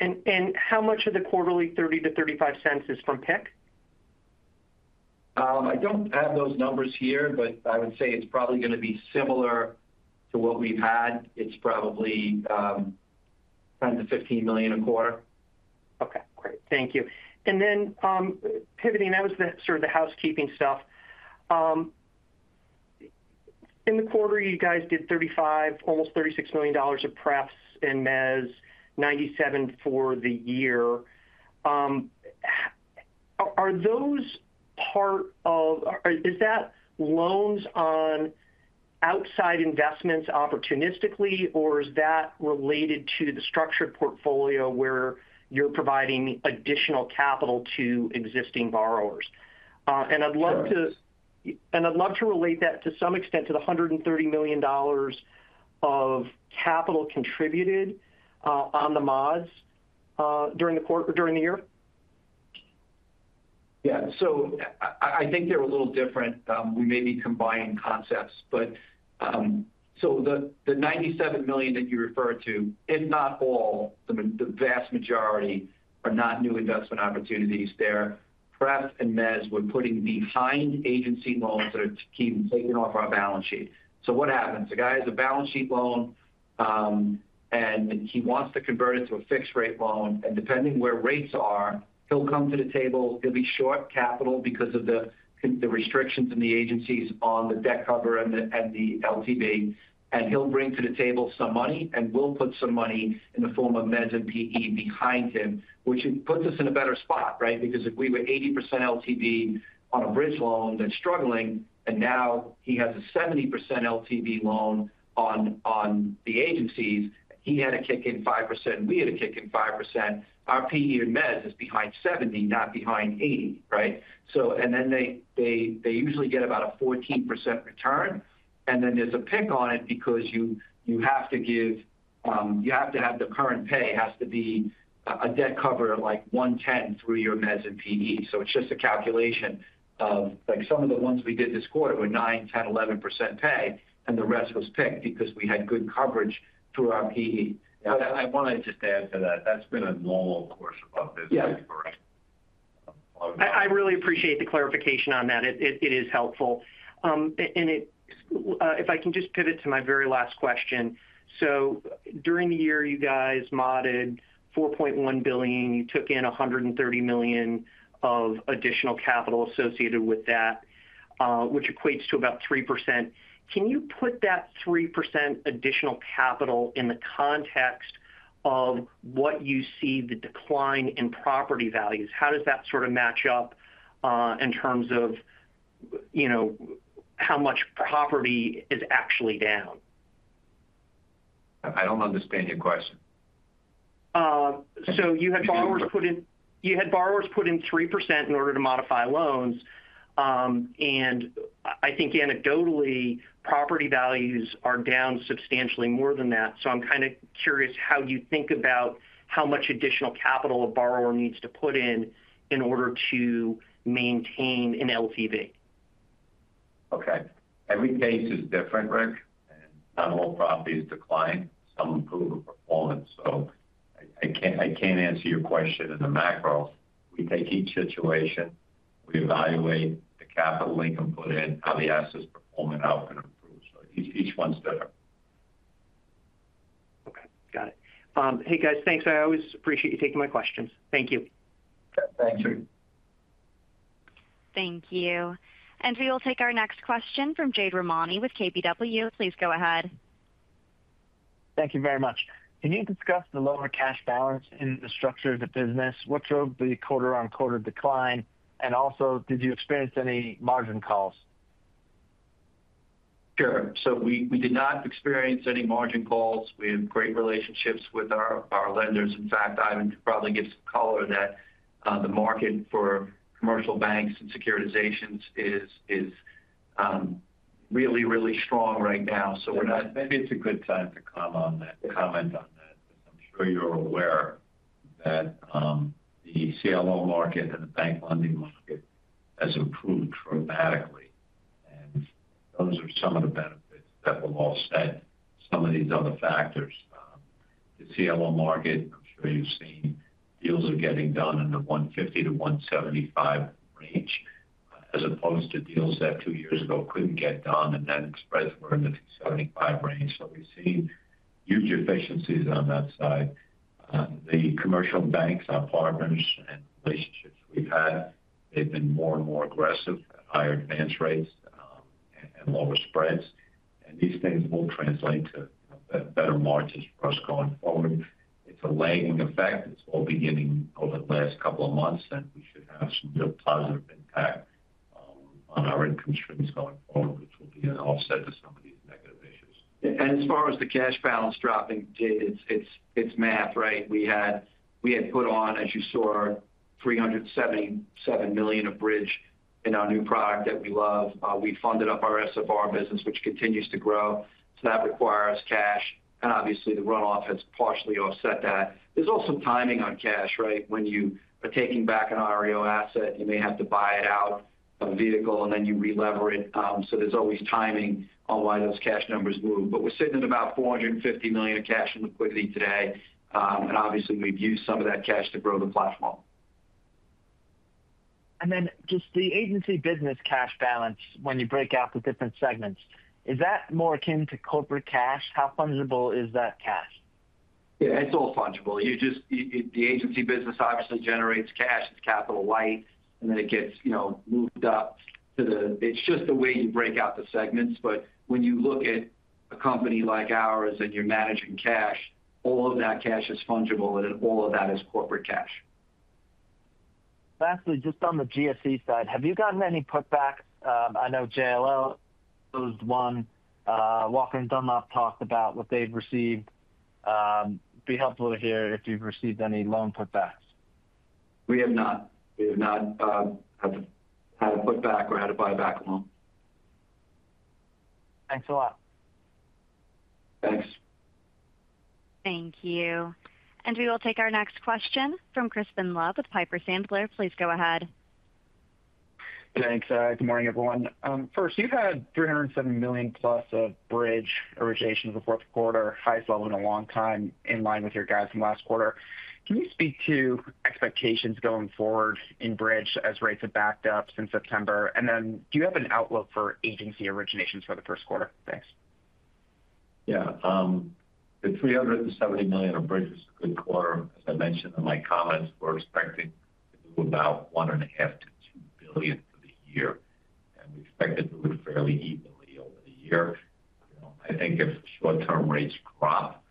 And how much of the quarterly $0.30-$0.35 is from PIK? I don't have those numbers here, but I would say it's probably going to be similar to what we've had. It's probably $10 million-$15 million a quarter. Okay. Great. Thank you. And then pivoting, that was sort of the housekeeping stuff. In the quarter, you guys did almost $36 million of PEs and mezz, $97 million for the year. Are those part of, or is that, loans on outside investments opportunistically, or is that related to the structured portfolio where you're providing additional capital to existing borrowers? I'd love to relate that to some extent to the $130 million of capital contributed on the mods during the year? Yeah. So I think they're a little different. We may be combining concepts. So the $97 million that you referred to, if not all, the vast majority are not new investment opportunities. They're pref and mezz we're putting behind agency loans that are taken off our balance sheet. So what happens? The guy has a balance sheet loan, and he wants to convert it to a fixed-rate loan. And depending where rates are, he'll come to the table. He'll be short capital because of the restrictions in the agencies on the debt cover and the LTV. And he'll bring to the table some money, and we'll put some money in the form of mezz and PE behind him, which puts us in a better spot, right? Because if we were 80% LTV on a bridge loan that's struggling, and now he has a 70% LTV loan on the agencies, he had a kick in 5%. We had a kick in 5%. Our PE and mezz is behind 70, not behind 80, right? And then they usually get about a 14% return. And then there's a PIK on it because you have to give you have to have the current pay has to be a debt coverage like 110 through your mezz and PE. So it's just a calculation of some of the ones we did this quarter were 9%, 10%, 11% pay, and the rest was PIK because we had good coverage through our PE. But I wanted to just add to that. That's been a normal course of business for us. I really appreciate the clarification on that. It is helpful. If I can just pivot to my very last question. During the year, you guys modded $4.1 billion. You took in $130 million of additional capital associated with that, which equates to about 3%. Can you put that 3% additional capital in the context of what you see the decline in property values? How does that sort of match up in terms of how much property is actually down? I don't understand your question. You had borrowers put in 3% in order to modify loans. And I think anecdotally, property values are down substantially more than that. I'm kind of curious how you think about how much additional capital a borrower needs to put in in order to maintain an LTV. Okay. Every case is different, Rick. And not all properties decline. Some improve performance. So I can't answer your question in the macro. We take each situation. We evaluate the capital income put in, how the assets perform, and how it can improve. So each one's different. Okay. Got it. Hey, guys. Thanks. I always appreciate you taking my questions. Thank you. Thanks, Rick. Thank you. And we will take our next question from Jade Rahmani with KBW. Please go ahead. Thank you very much. Can you discuss the lower cash balance in the structure of the business? What drove the quarter-on-quarter decline? And also, did you experience any margin calls? Sure. So we did not experience any margin calls. We have great relationships with our lenders. In fact, Ivan probably gives color that the market for commercial banks and securitizations is really, really strong right now. So we're not. Maybe it's a good time to comment on that. I'm sure you're aware that the CLO market and the bank lending market has improved dramatically. And those are some of the benefits that will offset some of these other factors. The CLO market, I'm sure you've seen deals are getting done in the 150-175 range as opposed to deals that two years ago couldn't get done. And then spreads were in the 275 range. So we've seen huge efficiencies on that side. The commercial banks, our partners and relationships we've had, they've been more and more aggressive at higher advance rates and lower spreads. And these things will translate to better margins for us going forward. It's a lagging effect. It's all beginning over the last couple of months. And we should have some real positive impact on our income streams going forward, which will be an offset to some of these negative issues. As far as the cash balance dropping, it's math, right? We had put on, as you saw, $377 million of bridge in our new product that we love. We funded up our SFR business, which continues to grow. That requires cash. Obviously, the runoff has partially offset that. There's also timing on cash, right? When you are taking back an REO asset, you may have to buy it out of a vehicle, and then you re-lever it. There's always timing on why those cash numbers move. But we're sitting at about $450 million of cash and liquidity today. Obviously, we've used some of that cash to grow the platform. Then just the agency business cash balance, when you break out the different segments, is that more akin to corporate cash? How fungible is that cash? Yeah. It's all fungible. The agency business obviously generates cash. It's capital light. And then it gets moved up to the; it's just the way you break out the segments. But when you look at a company like ours and you're managing cash, all of that cash is fungible. And all of that is corporate cash. Lastly, just on the GSE side, have you gotten any putbacks? I know JLL owes one. Walker & Dunlop talked about what they've received. Be helpful to hear if you've received any loan putbacks. We have not. We have not had a putback or had a buyback loan. Thanks a lot. Thanks. Thank you. And we will take our next question from Crispin Love with Piper Sandler. Please go ahead. Thanks. Good morning, everyone. First, you've had $307 million plus of bridge origination in the fourth quarter, highest level in a long time, in line with your guys from last quarter. Can you speak to expectations going forward in bridge as rates have backed up since September? And then do you have an outlook for agency originations for the first quarter? Thanks. Yeah. The $370 million of bridge was a good quarter, as I mentioned in my comments. We're expecting to move about $1.5 billion-$2 billion for the year. And we expect it to move fairly evenly over the year. I think if short-term rates drop,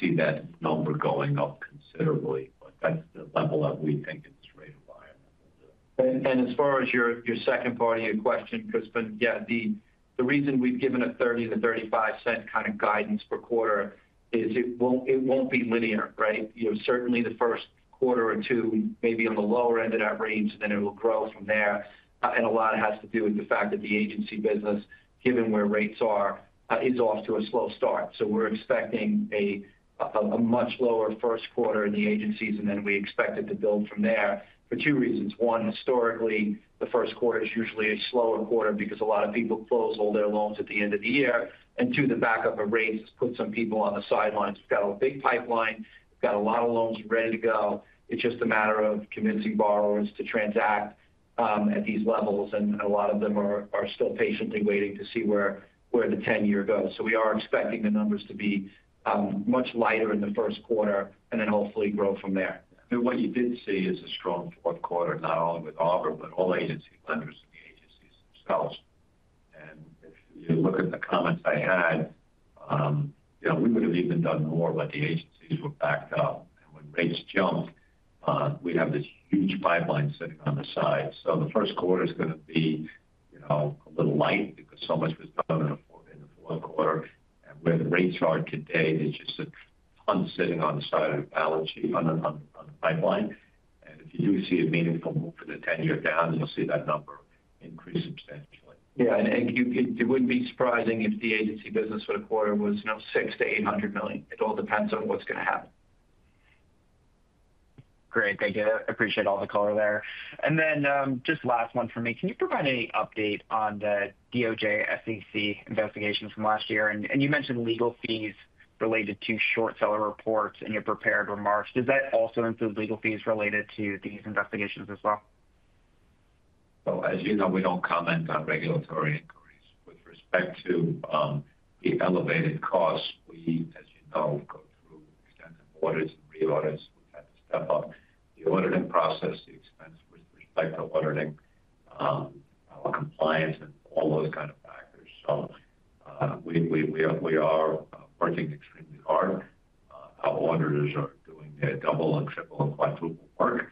we can see that number going up considerably. But that's the level that we think in this rate environment. And as far as your second part of your question, Kristen, yeah, the reason we've given a $0.30-$0.35 kind of guidance per quarter is it won't be linear, right? Certainly, the first quarter or two, maybe on the lower end of that range, and then it will grow from there. And a lot has to do with the fact that the agency business, given where rates are, is off to a slow start. So we're expecting a much lower first quarter in the agencies. And then we expect it to build from there for two reasons. One, historically, the first quarter is usually a slower quarter because a lot of people close all their loans at the end of the year. And two, the backup of rates has put some people on the sidelines. We've got a big pipeline. We've got a lot of loans ready to go. It's just a matter of convincing borrowers to transact at these levels, and a lot of them are still patiently waiting to see where the 10-year goes, so we are expecting the numbers to be much lighter in the first quarter and then hopefully grow from there. I mean, what you did see is a strong fourth quarter, not only with Arbor but all agency lenders and the agencies themselves, and if you look at the comments I had, we would have even done more when the agencies were backed up, and when rates jumped, we have this huge pipeline sitting on the side, so the first quarter is going to be a little light because so much was done in the fourth quarter. Where the rates are today, there's just a ton sitting on the side of the balance sheet on the pipeline. If you do see a meaningful move in the 10-year down, you'll see that number increase substantially. Yeah. It wouldn't be surprising if the agency business for the quarter was $600 million-$800 million. It all depends on what's going to happen. Great. Thank you. I appreciate all the color there. Then just last one for me. Can you provide any update on the DOJ-SEC investigations from last year? You mentioned legal fees related to short-seller reports and your prepared remarks. Does that also include legal fees related to these investigations as well? Well, as you know, we don't comment on regulatory inquiries. With respect to the elevated costs, we, as you know, go through extended orders and reorders. We have to step up the ordering process, the expense with respect to ordering, our compliance, and all those kind of factors, so we are working extremely hard. Our auditors are doing their double and triple and quadruple work.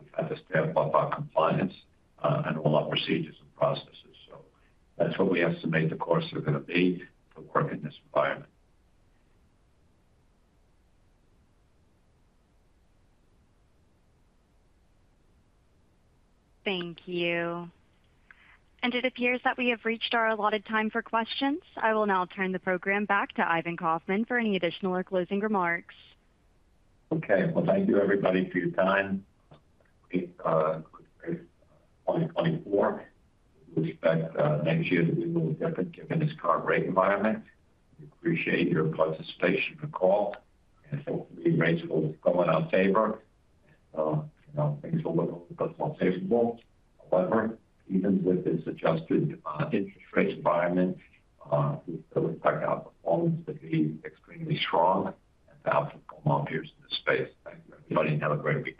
We've had to step up our compliance and all our procedures and processes, so that's what we estimate the costs are going to be for work in this environment. Thank you. And it appears that we have reached our allotted time for questions. I will now turn the program back to Ivan Kaufman for any additional or closing remarks. Okay, well, thank you, everybody, for your time. 2024. We expect next year to be a little different given this current rate environment. We appreciate your participation in the call, and hopefully, rates will go in our favor, and things will look a little bit more favorable. However, even with this adjusted interest rate environment, we still expect our performance to be extremely strong and bountiful in the space. Thank you, everybody, and have a great day.